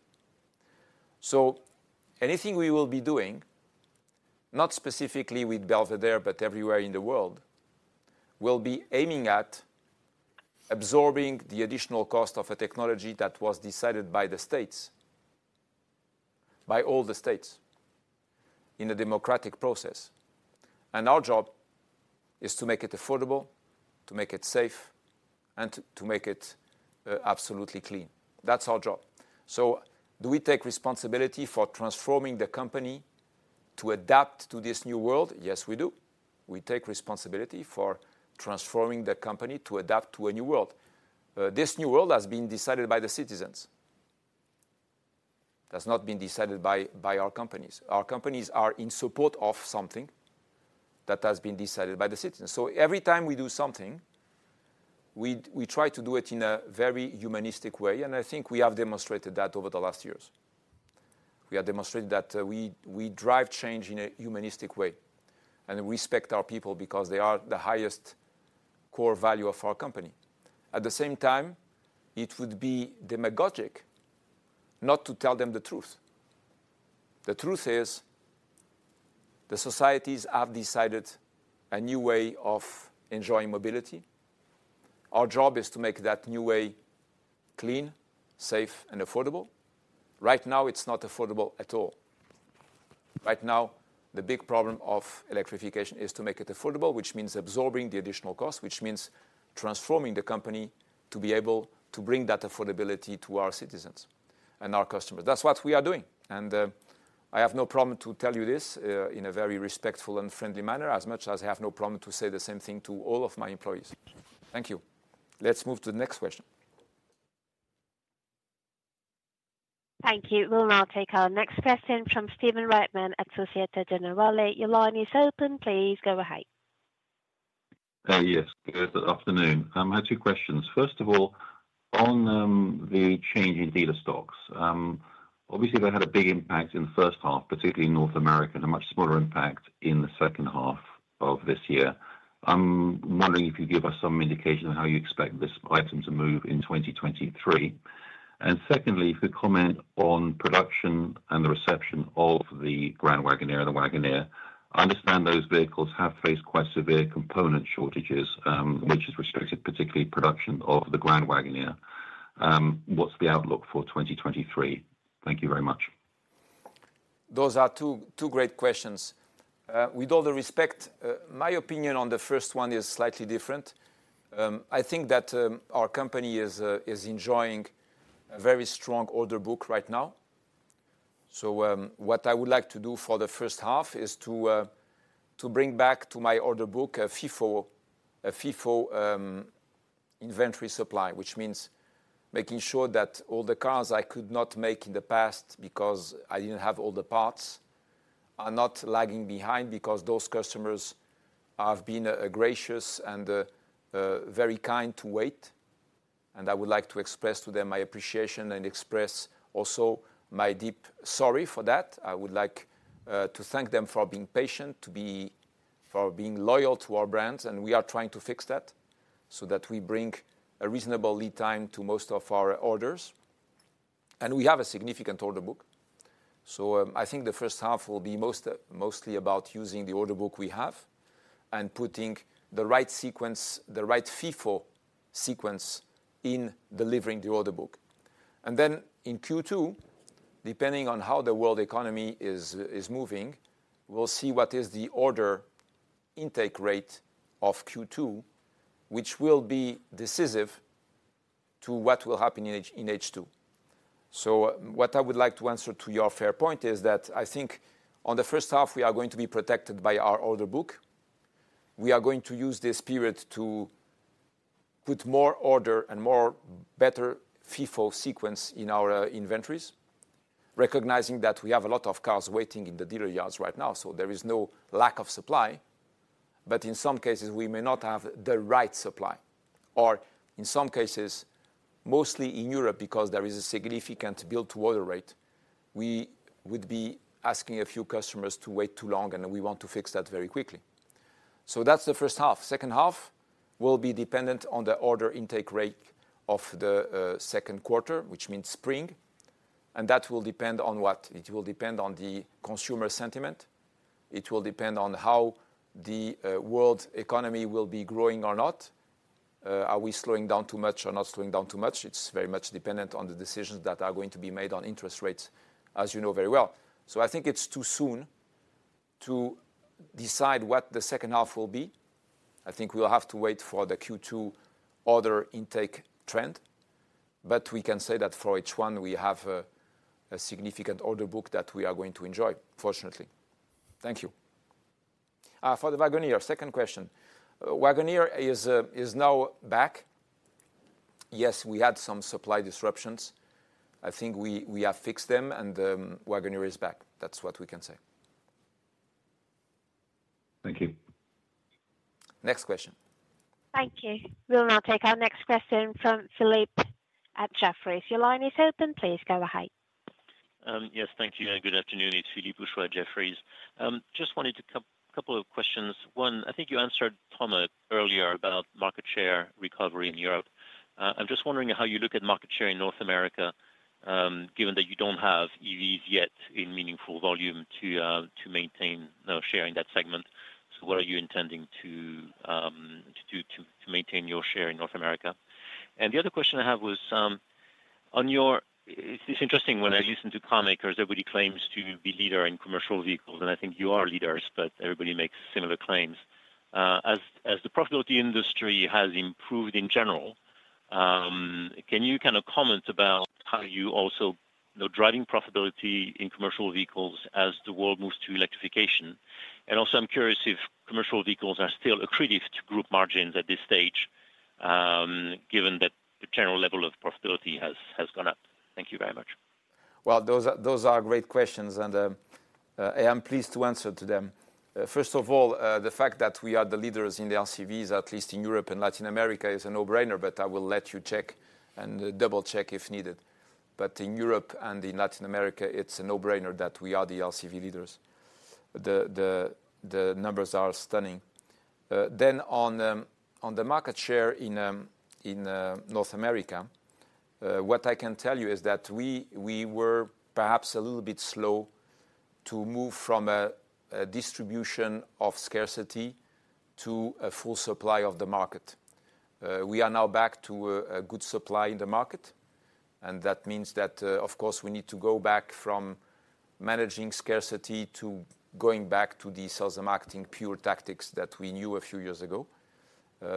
Anything we will be doing, not specifically with Belvidere, but everywhere in the world, will be aiming at absorbing the additional cost of a technology that was decided by the states, by all the states in a democratic process. Our job is to make it affordable, to make it safe, and to make it absolutely clean. That's our job. Do we take responsibility for transforming the company to adapt to this new world? Yes, we do. We take responsibility for transforming the company to adapt to a new world. This new world has been decided by the citizens, that's not been decided by our companies. Our companies are in support of something that has been decided by the citizens. Every time we do something, we try to do it in a very humanistic way, and I think we have demonstrated that over the last years. We have demonstrated that we drive change in a humanistic way and respect our people because they are the highest core value of our company. At the same time, it would be demagogic not to tell them the truth. The truth is, the societies have decided a new way of enjoying mobility. Our job is to make that new way clean, safe, and affordable. Right now, it's not affordable at all. Right now, the big problem of electrification is to make it affordable, which means absorbing the additional cost, which means transforming the company to be able to bring that affordability to our citizens and our customers. That's what we are doing, and I have no problem to tell you this in a very respectful and friendly manner, as much as I have no problem to say the same thing to all of my employees. Thank you. Let's move to the next question.
Thank you. We'll now take our next question from Stephen Reitman, Analyst at Société Générale. Your line is open. Please go ahead.
Yes, good afternoon. I have two questions. First of all, on the change in dealer stocks. Obviously, they had a big impact in the first half, particularly in North America, and a much smaller impact in the second half of this year. I'm wondering if you could give us some indication of how you expect this item to move in 2023. Secondly, if you could comment on production and the reception of the Grand Wagoneer and the Wagoneer. I understand those vehicles have faced quite severe component shortages, which has restricted particularly production of the Grand Wagoneer. What's the outlook for 2023? Thank you very much.
Those are two great questions. With all due respect, my opinion on the first one is slightly different. I think that our company is enjoying a very strong order book right now. What I would like to do for the first half is to bring back to my order book a FIFO inventory supply, which means making sure that all the cars I could not make in the past because I didn't have all the parts are not lagging behind because those customers have been gracious and very kind to wait, and I would like to express to them my appreciation and express also my deep sorry for that. I would like to thank them for being patient. for being loyal to our brands, and we are trying to fix that so that we bring a reasonable lead time to most of our orders. We have a significant order book. I think the first half will be mostly about using the order book we have and putting the right sequence, the right FIFO sequence in delivering the order book. Then in Q2, depending on how the world economy is moving, we'll see what is the order intake rate of Q2, which will be decisive to what will happen in H2. What I would like to answer to your fair point is that I think on the first half, we are going to be protected by our order book. We are going to use this period to put more order and more better FIFO sequence in our inventories, recognizing that we have a lot of cars waiting in the dealer yards right now, so there is no lack of supply. In some cases, we may not have the right supply, or in some cases, mostly in Europe, because there is a significant build to order rate, we would be asking a few customers to wait too long, and we want to fix that very quickly. That's the first half. Second half will be dependent on the order intake rate of the second quarter, which means spring, and that will depend on what? It will depend on the consumer sentiment. It will depend on how the world economy will be growing or not. Are we slowing down too much or not slowing down too much? It's very much dependent on the decisions that are going to be made on interest rates, as you know very well. I think it's too soon to decide what the second half will be. I think we'll have to wait for the Q2 order intake trend. We can say that for each one, we have a significant order book that we are going to enjoy, fortunately. Thank you. For the Wagoneer, second question. Wagoneer is now back. Yes, we had some supply disruptions. I think we have fixed them and Wagoneer is back. That's what we can say.
Thank you.
Next question.
Thank you. We'll now take our next question from Philippe at Jefferies. Your line is open. Please go ahead.
Yes. Thank you and good afternoon. It's Philippe Houchois at Jefferies. Just wanted a couple of questions. One, I think you answered Thomas earlier about market share recovery in Europe. I'm just wondering how you look at market share in North America, given that you don't have EVs yet in meaningful volume to maintain the share in that segment. What are you intending to do to maintain your share in North America? The other question I have was. It's interesting when I listen to carmakers, everybody claims to be leader in commercial vehicles, and I think you are leaders, but everybody makes similar claims. As the profitability industry has improved in general, can you kind of comment about how you also are driving profitability in commercial vehicles as the world moves to electrification? I'm curious if commercial vehicles are still accretive to group margins at this stage, given that the general level of profitability has gone up. Thank you very much.
Well, those are, those are great questions, I am pleased to answer to them. First of all, the fact that we are the leaders in the LCVs, at least in Europe and Latin America, is a no-brainer, but I will let you check and double-check if needed. In Europe and in Latin America, it's a no-brainer that we are the LCV leaders. The numbers are stunning. On the market share in North America, what I can tell you is that we were perhaps a little bit slow to move from a distribution of scarcity to a full supply of the market. We are now back to a good supply in the market, and that means that, of course, we need to go back from managing scarcity to going back to the sales and marketing pure tactics that we knew a few years ago.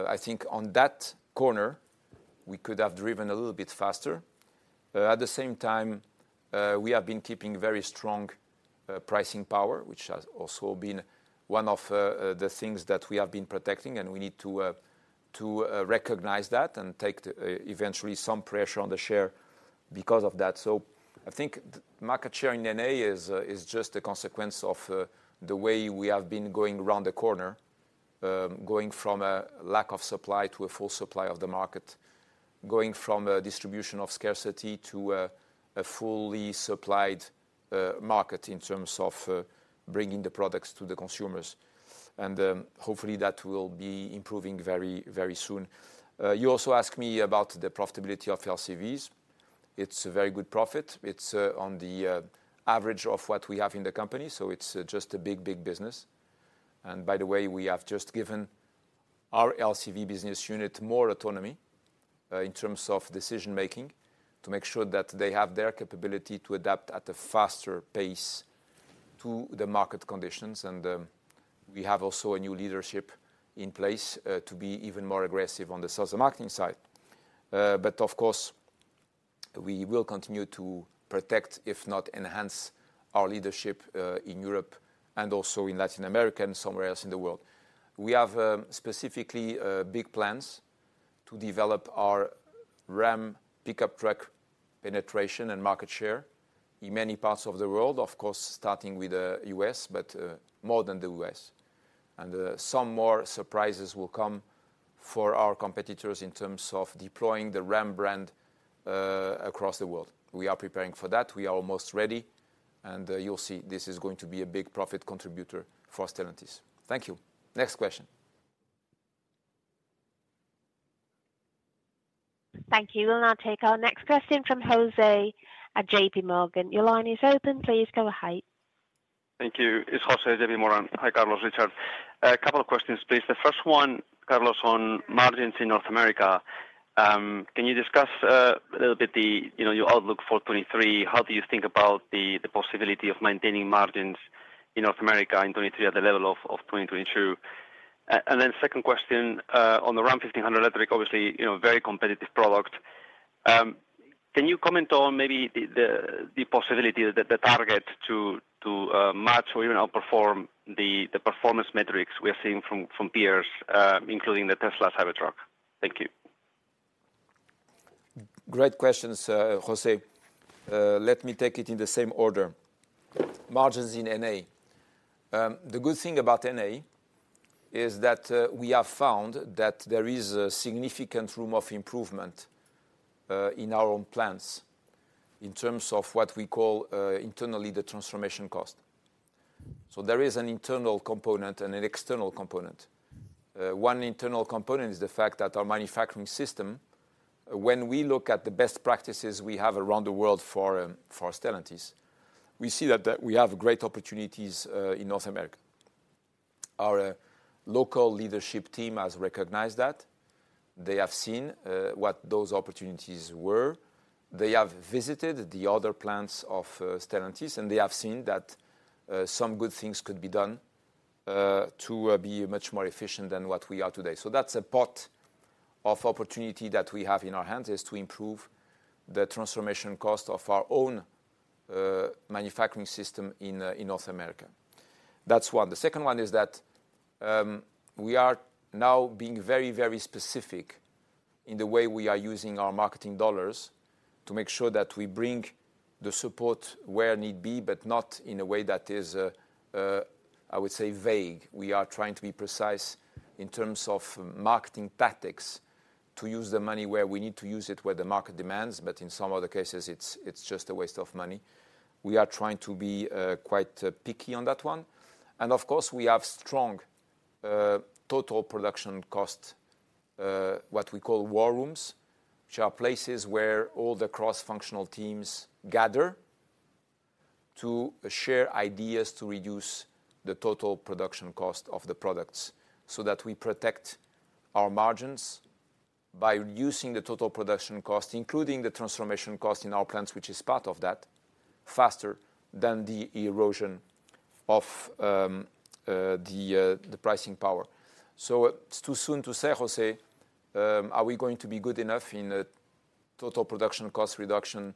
I think on that corner, we could have driven a little bit faster. At the same time, we have been keeping very strong pricing power, which has also been one of the things that we have been protecting, and we need to recognize that and take eventually some pressure on the share because of that. I think market share in NA is just a consequence of the way we have been going around the corner, going from a lack of supply to a full supply of the market. Going from a distribution of scarcity to a fully supplied market in terms of bringing the products to the consumers. Hopefully, that will be improving very soon. You also asked me about the profitability of LCVs. It's a very good profit. It's on the average of what we have in the company, so it's just a big business. By the way, we have just given our LCV business unit more autonomy in terms of decision-making to make sure that they have their capability to adapt at a faster pace to the market conditions. We have also a new leadership in place to be even more aggressive on the sales and marketing side. But of course, we will continue to protect, if not enhance, our leadership in Europe and also in Latin America and somewhere else in the world. We have specifically big plans to develop our Ram pickup truck penetration and market share in many parts of the world. Of course, starting with the U.S., but more than the U.S. Some more surprises will come for our competitors in terms of deploying the Ram brand across the world. We are preparing for that. We are almost ready, and you'll see this is going to be a big profit contributor for Stellantis. Thank you. Next question.
Thank you. We'll now take our next question from José at JPMorgan. Your line is open. Please go ahead.
Thank you. It's José, JPMorgan. Hi, Carlos, Richard. A couple of questions, please. The first one, Carlos, on margins in North America, can you discuss a little bit, you know, your outlook for 2023? How do you think about the possibility of maintaining margins in North America in 2023 at the level of 2022? Second question on the Ram 1500 electric, obviously, you know, very competitive product. Can you comment on maybe the possibility that the target to match or even outperform the performance metrics we're seeing from peers, including the Tesla Cybertruck? Thank you.
Great questions, José. Let me take it in the same order. Margins in NA. The good thing about NA is that we have found that there is a significant room of improvement in our own plants in terms of what we call internally the transformation cost. There is an internal component and an external component. One internal component is the fact that our manufacturing system, when we look at the best practices we have around the world for Stellantis, we see that we have great opportunities in North America. Our local leadership team has recognized that. They have seen what those opportunities were. They have visited the other plants of Stellantis, and they have seen that some good things could be done to be much more efficient than what we are today. That's a part of opportunity that we have in our hands, is to improve the transformation cost of our own manufacturing system in North America. That's one. The second one is that we are now being very, very specific in the way we are using our marketing dollars to make sure that we bring the support where need be, but not in a way that is, I would say vague. We are trying to be precise in terms of marketing tactics to use the money where we need to use it, where the market demands, but in some other cases it's just a waste of money. We are trying to be quite picky on that one. Of course, we have strong total production cost, what we call war rooms. Which are places where all the cross-functional teams gather to share ideas to reduce the total production cost of the products, so that we protect our margins by reducing the total production cost, including the transformation cost in our plants, which is part of that, faster than the erosion of the pricing power. It's too soon to say, José, are we going to be good enough in total production cost reduction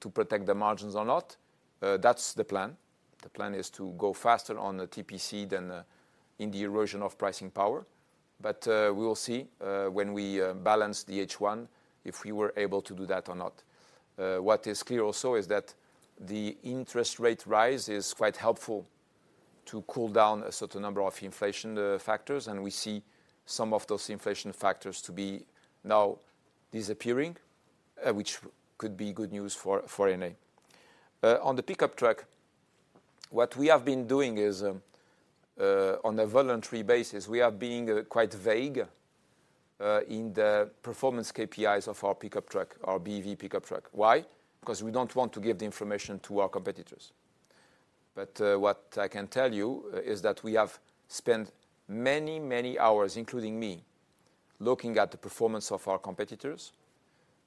to protect the margins or not? That's the plan. The plan is to go faster on the TPC than in the erosion of pricing power. We will see when we balance the H1 if we were able to do that or not. What is clear also is that the interest rate rise is quite helpful to cool down a certain number of inflation factors. We see some of those inflation factors to be now disappearing, which could be good news for NA. On the pickup truck, what we have been doing is on a voluntary basis, we are being quite vague in the performance KPIs of our pickup truck, our BEV pickup truck. Why? Because we don't want to give the information to our competitors. What I can tell you is that we have spent many, many hours, including me, looking at the performance of our competitors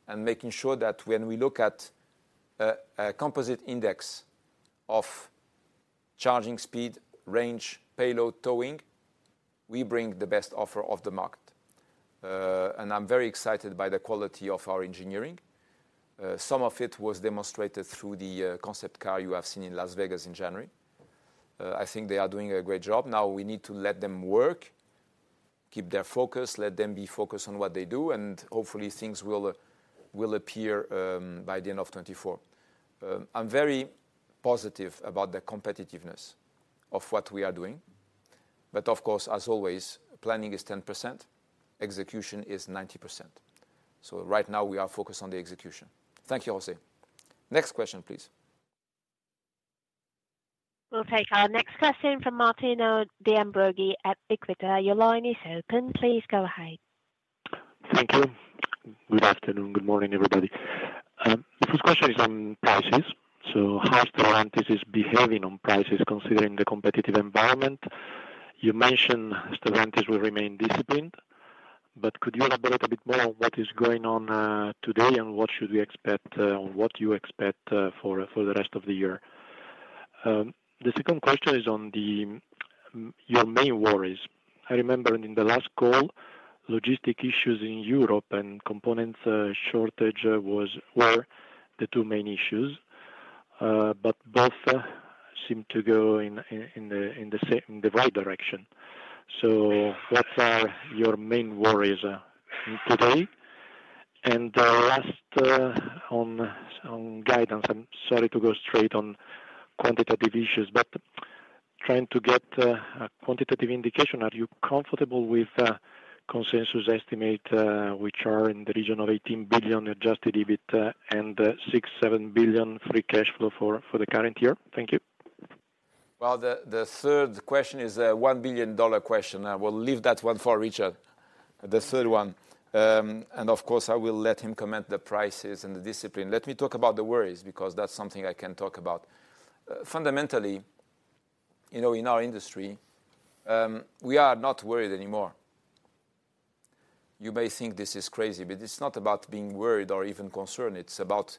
and making sure that when we look at a composite index of charging speed, range, payload, towing, we bring the best offer of the market. I'm very excited by the quality of our engineering. Some of it was demonstrated through the concept car you have seen in Las Vegas in January. I think they are doing a great job. Now we need to let them work, keep their focus, let them be focused on what they do, and hopefully things will appear by the end of 2024. I'm very positive about the competitiveness of what we are doing. Of course, as always, planning is 10%, execution is 90%. Right now we are focused on the execution. Thank you, José. Next question, please.
We'll take our next question from Martino De Ambroggi at Equita. Your line is open. Please go ahead.
Thank you. Good afternoon, good morning, everybody. The first question is on prices. How Stellantis is behaving on prices considering the competitive environment. You mentioned Stellantis will remain disciplined, but could you elaborate a bit more on what is going on today and what should we expect, or what you expect, for the rest of the year? The second question is on your main worries. I remember in the last call, logistic issues in Europe and components shortage were the two main issues. Both seem to go in the same, the right direction. What are your main worries today? last on guidance, I'm sorry to go straight on quantitative issues, but trying to get a quantitative indication, are you comfortable with consensus estimate, which are in the region of 18 billion Adjusted EBITDA and 6, 7 billion free cash flow for the current year? Thank you.
Well, the third question is a $1 billion question. I will leave that one for Richard, the third one. Of course, I will let him comment the prices and the discipline. Let me talk about the worries because that's something I can talk about. Fundamentally, you know, in our industry, we are not worried anymore. You may think this is crazy, but it's not about being worried or even concerned. It's about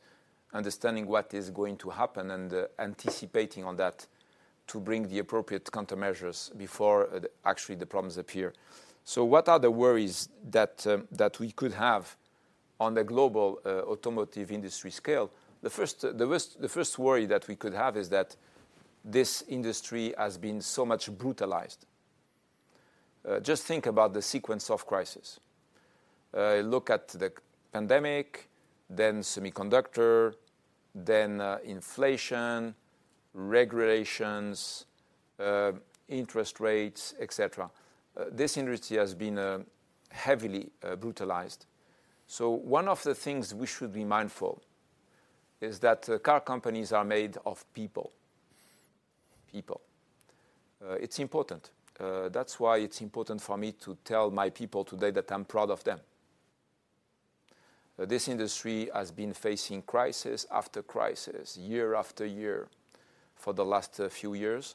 understanding what is going to happen and anticipating on that to bring the appropriate countermeasures before actually the problems appear. What are the worries that we could have on the global automotive industry scale? The first worry that we could have is that this industry has been so much brutalized. Just think about the sequence of crisis. Look at the pandemic, then semiconductor, then inflation, regulations, interest rates, et cetera. This industry has been heavily brutalized. One of the things we should be mindful is that car companies are made of people. People. It's important. That's why it's important for me to tell my people today that I'm proud of them. This industry has been facing crisis after crisis, year after year, for the last few years.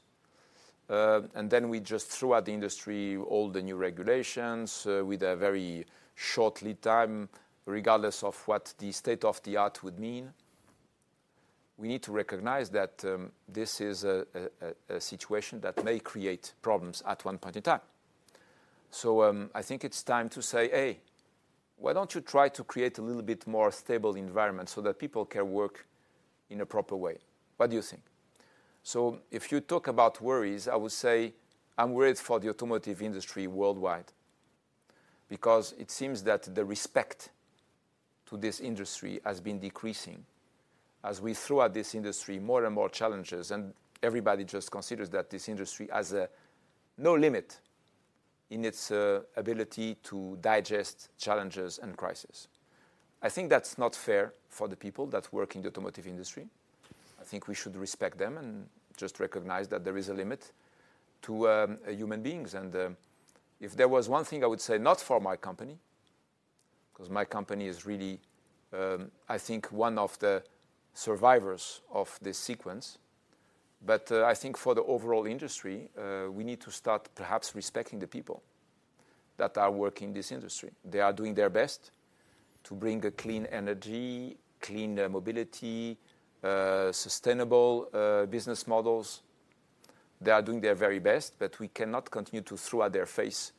We just threw at the industry all the new regulations with a very short lead time, regardless of what the state of the art would mean. We need to recognize that this is a situation that may create problems at one point in time. I think it's time to say, "Hey, why don't you try to create a little bit more stable environment so that people can work in a proper way?" What do you think? If you talk about worries, I would say I'm worried for the automotive industry worldwide because it seems that the respect to this industry has been decreasing. As we throw at this industry more and more challenges, and everybody just considers that this industry has a no limit in its ability to digest challenges and crisis. I think that's not fair for the people that work in the automotive industry. I think we should respect them and just recognize that there is a limit to human beings. If there was one thing I would say, not for my company, 'cause my company is really, I think one of the survivors of this sequence, but I think for the overall industry, we need to start perhaps respecting the people that are working in this industry. They are doing their best to bring a clean energy, clean mobility, sustainable business models. They are doing their very best, but we cannot continue to throw at their face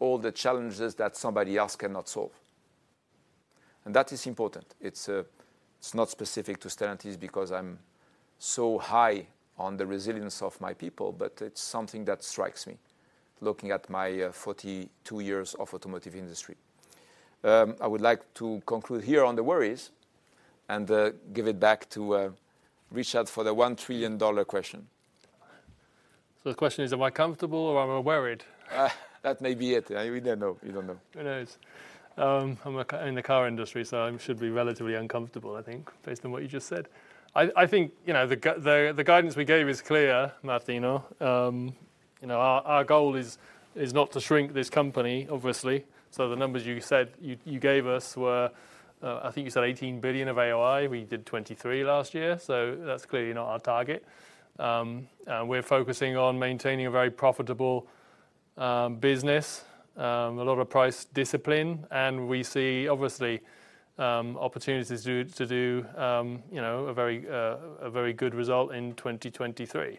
all the challenges that somebody else cannot solve. That is important. It's not specific to Stellantis because I'm so high on the resilience of my people, but it's something that strikes me, looking at my 42 years of automotive industry. I would like to conclude here on the worries and give it back to Richard for the $1 trillion question.
The question is, am I comfortable or am I worried?
That may be it. We don't know. We don't know.
Who knows? In the car industry, so I should be relatively uncomfortable, I think, based on what you just said. I think, you know, the guidance we gave is clear, Martino. You know, our goal is not to shrink this company, obviously. The numbers you said, you gave us were, I think you said 18 billion of AOI. We did 23 billion last year, so that's clearly not our target. We're focusing on maintaining a very profitable business, a lot of price discipline, and we see obviously opportunities to do, you know, a very good result in 2023.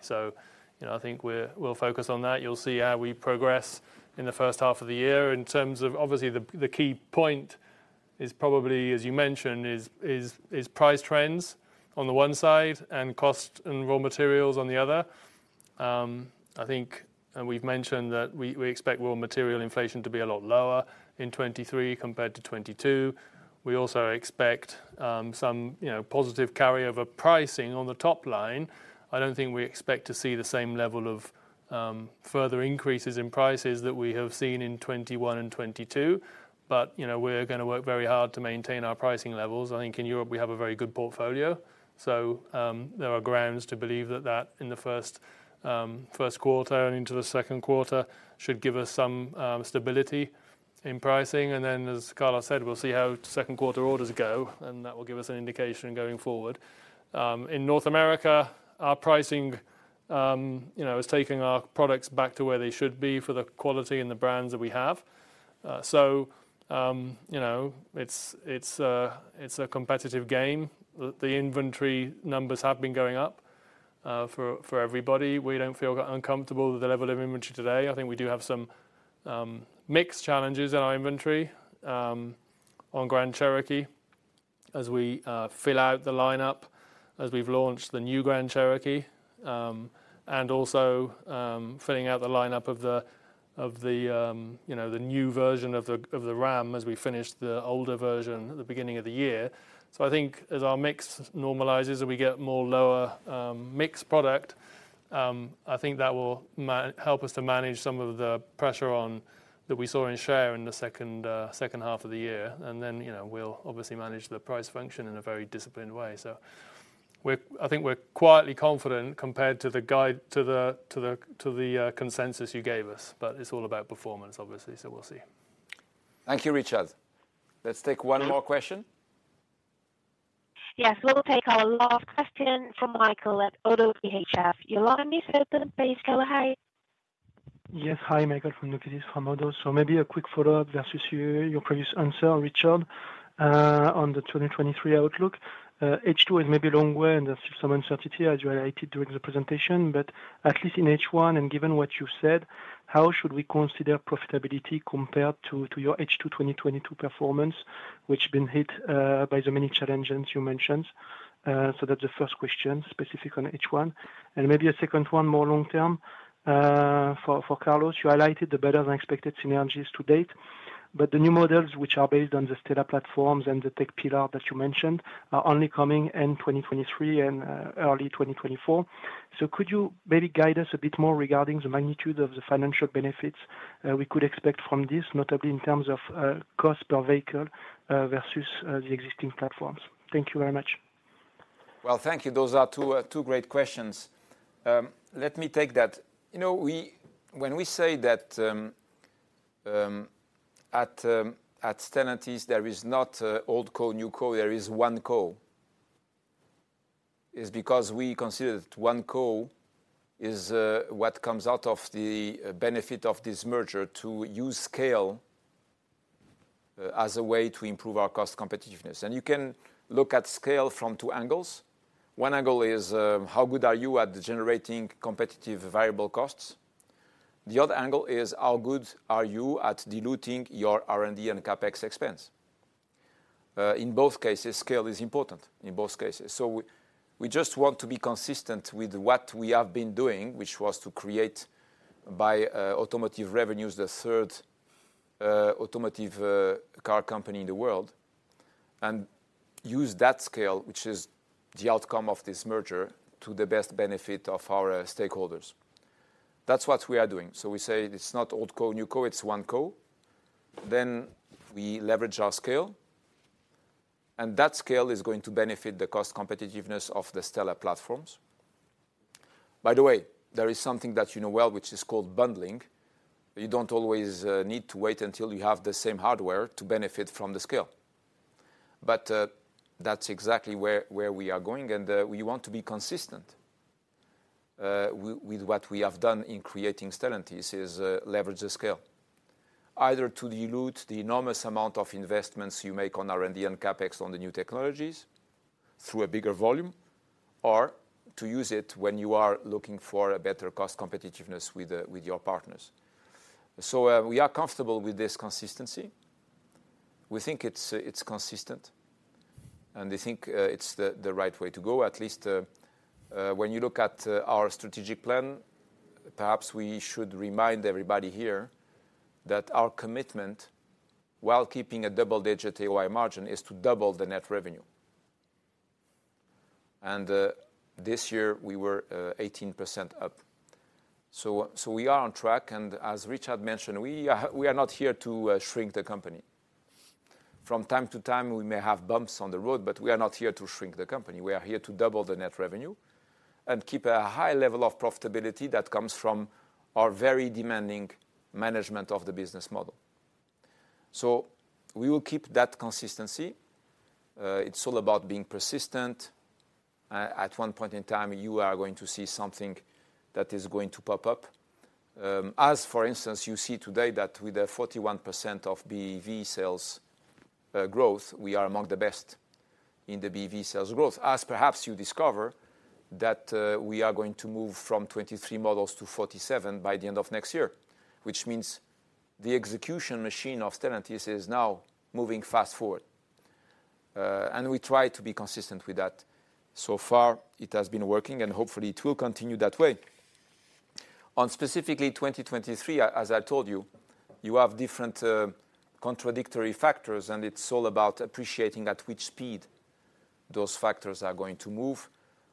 You know, I think we'll focus on that. You'll see how we progress in the first half of the year. In terms of, obviously, the key point is probably, as you mentioned, is price trends on the one side and cost and raw materials on the other. I think and we've mentioned that we expect raw material inflation to be a lot lower in 2023 compared to 2022. We also expect, you know, some positive carryover pricing on the top line. I don't think we expect to see the same level of further increases in prices that we have seen in 2021 and 22. You know, we're gonna work very hard to maintain our pricing levels. I think in Europe we have a very good portfolio. There are grounds to believe that in the first quarter and into the second quarter should give us some stability in pricing. As Carlos said, we'll see how second quarter orders go, and that will give us an indication going forward. In North America, our pricing, you know, is taking our products back to where they should be for the quality and the brands that we have. You know, it's a, it's a competitive game. The inventory numbers have been going up for everybody. We don't feel uncomfortable with the level of inventory today. I think we do have some mix challenges in our inventory on Grand Cherokee as we fill out the lineup, as we've launched the new Grand Cherokee. And also, filling out the lineup of the, of the, you know, the new version of the, of the Ram as we finish the older version at the beginning of the year. I think as our mix normalizes and we get more lower, mixed product, I think that will help us to manage some of the pressure on that we saw in share in the second half of the year. You know, we'll obviously manage the price function in a very disciplined way. I think we're quietly confident compared to the guide, to the consensus you gave us, but it's all about performance obviously. We'll see.
Thank you, Richard. Let's take one more question.
Yes. We'll take our last question from Michael at ODDO BHF. Your line is open. Please go ahead.
Yes. Hi, Michael from ODDO BHF. Maybe a quick follow-up versus your previous answer, Richard, on the 2023 outlook. H2 is maybe long way and there's still some uncertainty as you highlighted during the presentation. At least in H1, and given what you said, how should we consider profitability compared to your H2 2022 performance, which been hit by the many challenges you mentioned? That's the first question specific on H1. Maybe a second one more long term for Carlos. You highlighted the better than expected synergies to date, but the new models which are based on the STLA platforms and the tech pillar that you mentioned are only coming in 2023 and early 2024. Could you maybe guide us a bit more regarding the magnitude of the financial benefits we could expect from this, notably in terms of cost per vehicle versus the existing platforms? Thank you very much.
Well, thank you. Those are two great questions. Let me take that. You know, when we say that at Stellantis there is not a old Co, new Co, there is one Co, is because we consider that one Co is what comes out of the benefit of this merger to use scale as a way to improve our cost competitiveness. You can look at scale from two angles. One angle is how good are you at generating competitive variable costs? The other angle is how good are you at diluting your R&D and CapEx expense? In both cases, scale is important, in both cases. We just want to be consistent with what we have been doing, which was to create by automotive revenues, the third automotive car company in the world, and use that scale, which is the outcome of this merger, to the best benefit of our stakeholders. That's what we are doing. We say it's not old Co, new Co, it's one Co. We leverage our scale, and that scale is going to benefit the cost competitiveness of the STLA platforms. By the way, there is something that you know well, which is called bundling. You don't always need to wait until you have the same hardware to benefit from the scale. That's exactly where we are going, and we want to be consistent with what we have done in creating Stellantis is leverage the scale. Either to dilute the enormous amount of investments you make on R&D and CapEx on the new technologies through a bigger volume, or to use it when you are looking for a better cost competitiveness with your partners. We are comfortable with this consistency. We think it's consistent, and we think it's the right way to go. At least, when you look at our strategic plan, perhaps we should remind everybody here that our commitment, while keeping a double-digit AOI margin is to double the net revenue. This year, we were 18% up. We are on track, and as Richard mentioned, we are not here to shrink the company. From time to time, we may have bumps on the road, but we are not here to shrink the company. We are here to double the net revenue and keep a high level of profitability that comes from our very demanding management of the business model. We will keep that consistency. It's all about being persistent. At one point in time, you are going to see something that is going to pop up. As for instance, you see today that with the 41% of BEV sales growth, we are among the best in the BEV sales growth, as perhaps you discover that we are going to move from 23 models to 47 by the end of next year, which means the execution machine of Stellantis is now moving fast forward. We try to be consistent with that. So far it has been working, and hopefully it will continue that way. On specifically 2023, as I told you have different contradictory factors. It's all about appreciating at which speed those factors are going to move.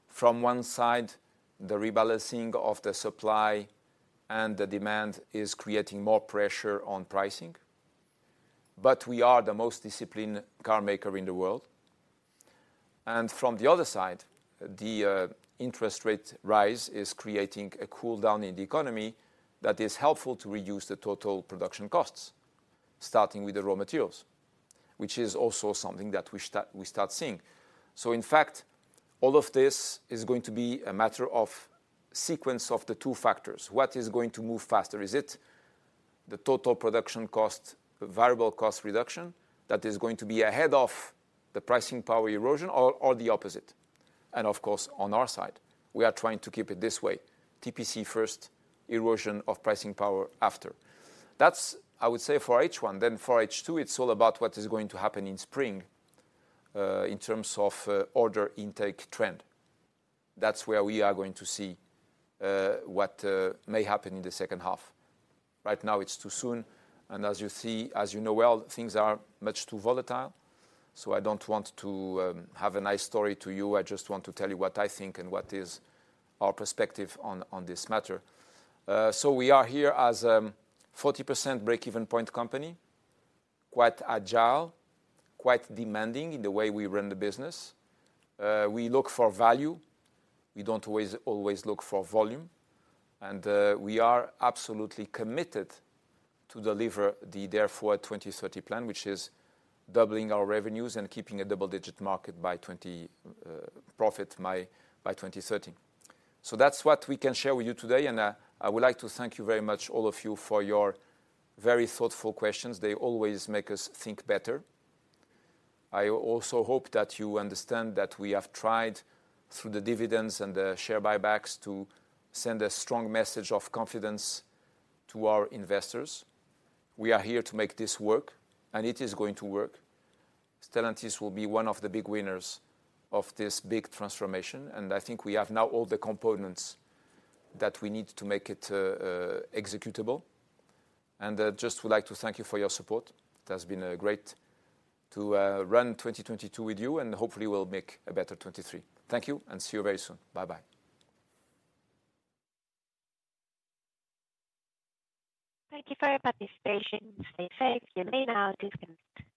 From one side, the rebalancing of the supply and the demand is creating more pressure on pricing. We are the most disciplined car maker in the world. From the other side, the interest rate rise is creating a cool down in the economy that is helpful to reduce the total production costs, starting with the raw materials, which is also something that we start seeing. In fact, all of this is going to be a matter of sequence of the two factors. What is going to move faster? Is it the total production cost, variable cost reduction that is going to be ahead of the pricing power erosion or the opposite? Of course, on our side, we are trying to keep it this way. TPC first, erosion of pricing power after. That's, I would say, for H1. For H2, it's all about what is going to happen in spring, in terms of order intake trend. That's where we are going to see what may happen in the second half. Right now it's too soon, and as you see, as you know well, things are much too volatile, so I don't want to have a nice story to you. I just want to tell you what I think and what is our perspective on this matter. We are here as a 40% break-even point company, quite agile, quite demanding in the way we run the business. We look for value. We don't always look for volume. We are absolutely committed to deliver the Dare Forward 2030 plan, which is doubling our revenues and keeping a double-digit profit by 2030. That's what we can share with you today. I would like to thank you very much, all of you, for your very thoughtful questions. They always make us think better. I also hope that you understand that we have tried through the dividends and the share buybacks to send a strong message of confidence to our investors. We are here to make this work, and it is going to work. Stellantis will be one of the big winners of this big transformation. I think we have now all the components that we need to make it executable. Just would like to thank you for your support. It has been great to run 2022 with you, and hopefully we'll make a better 2023. Thank you, and see you very soon. Bye-bye.
Thank you for your participation. Stay safe. You may now disconnect.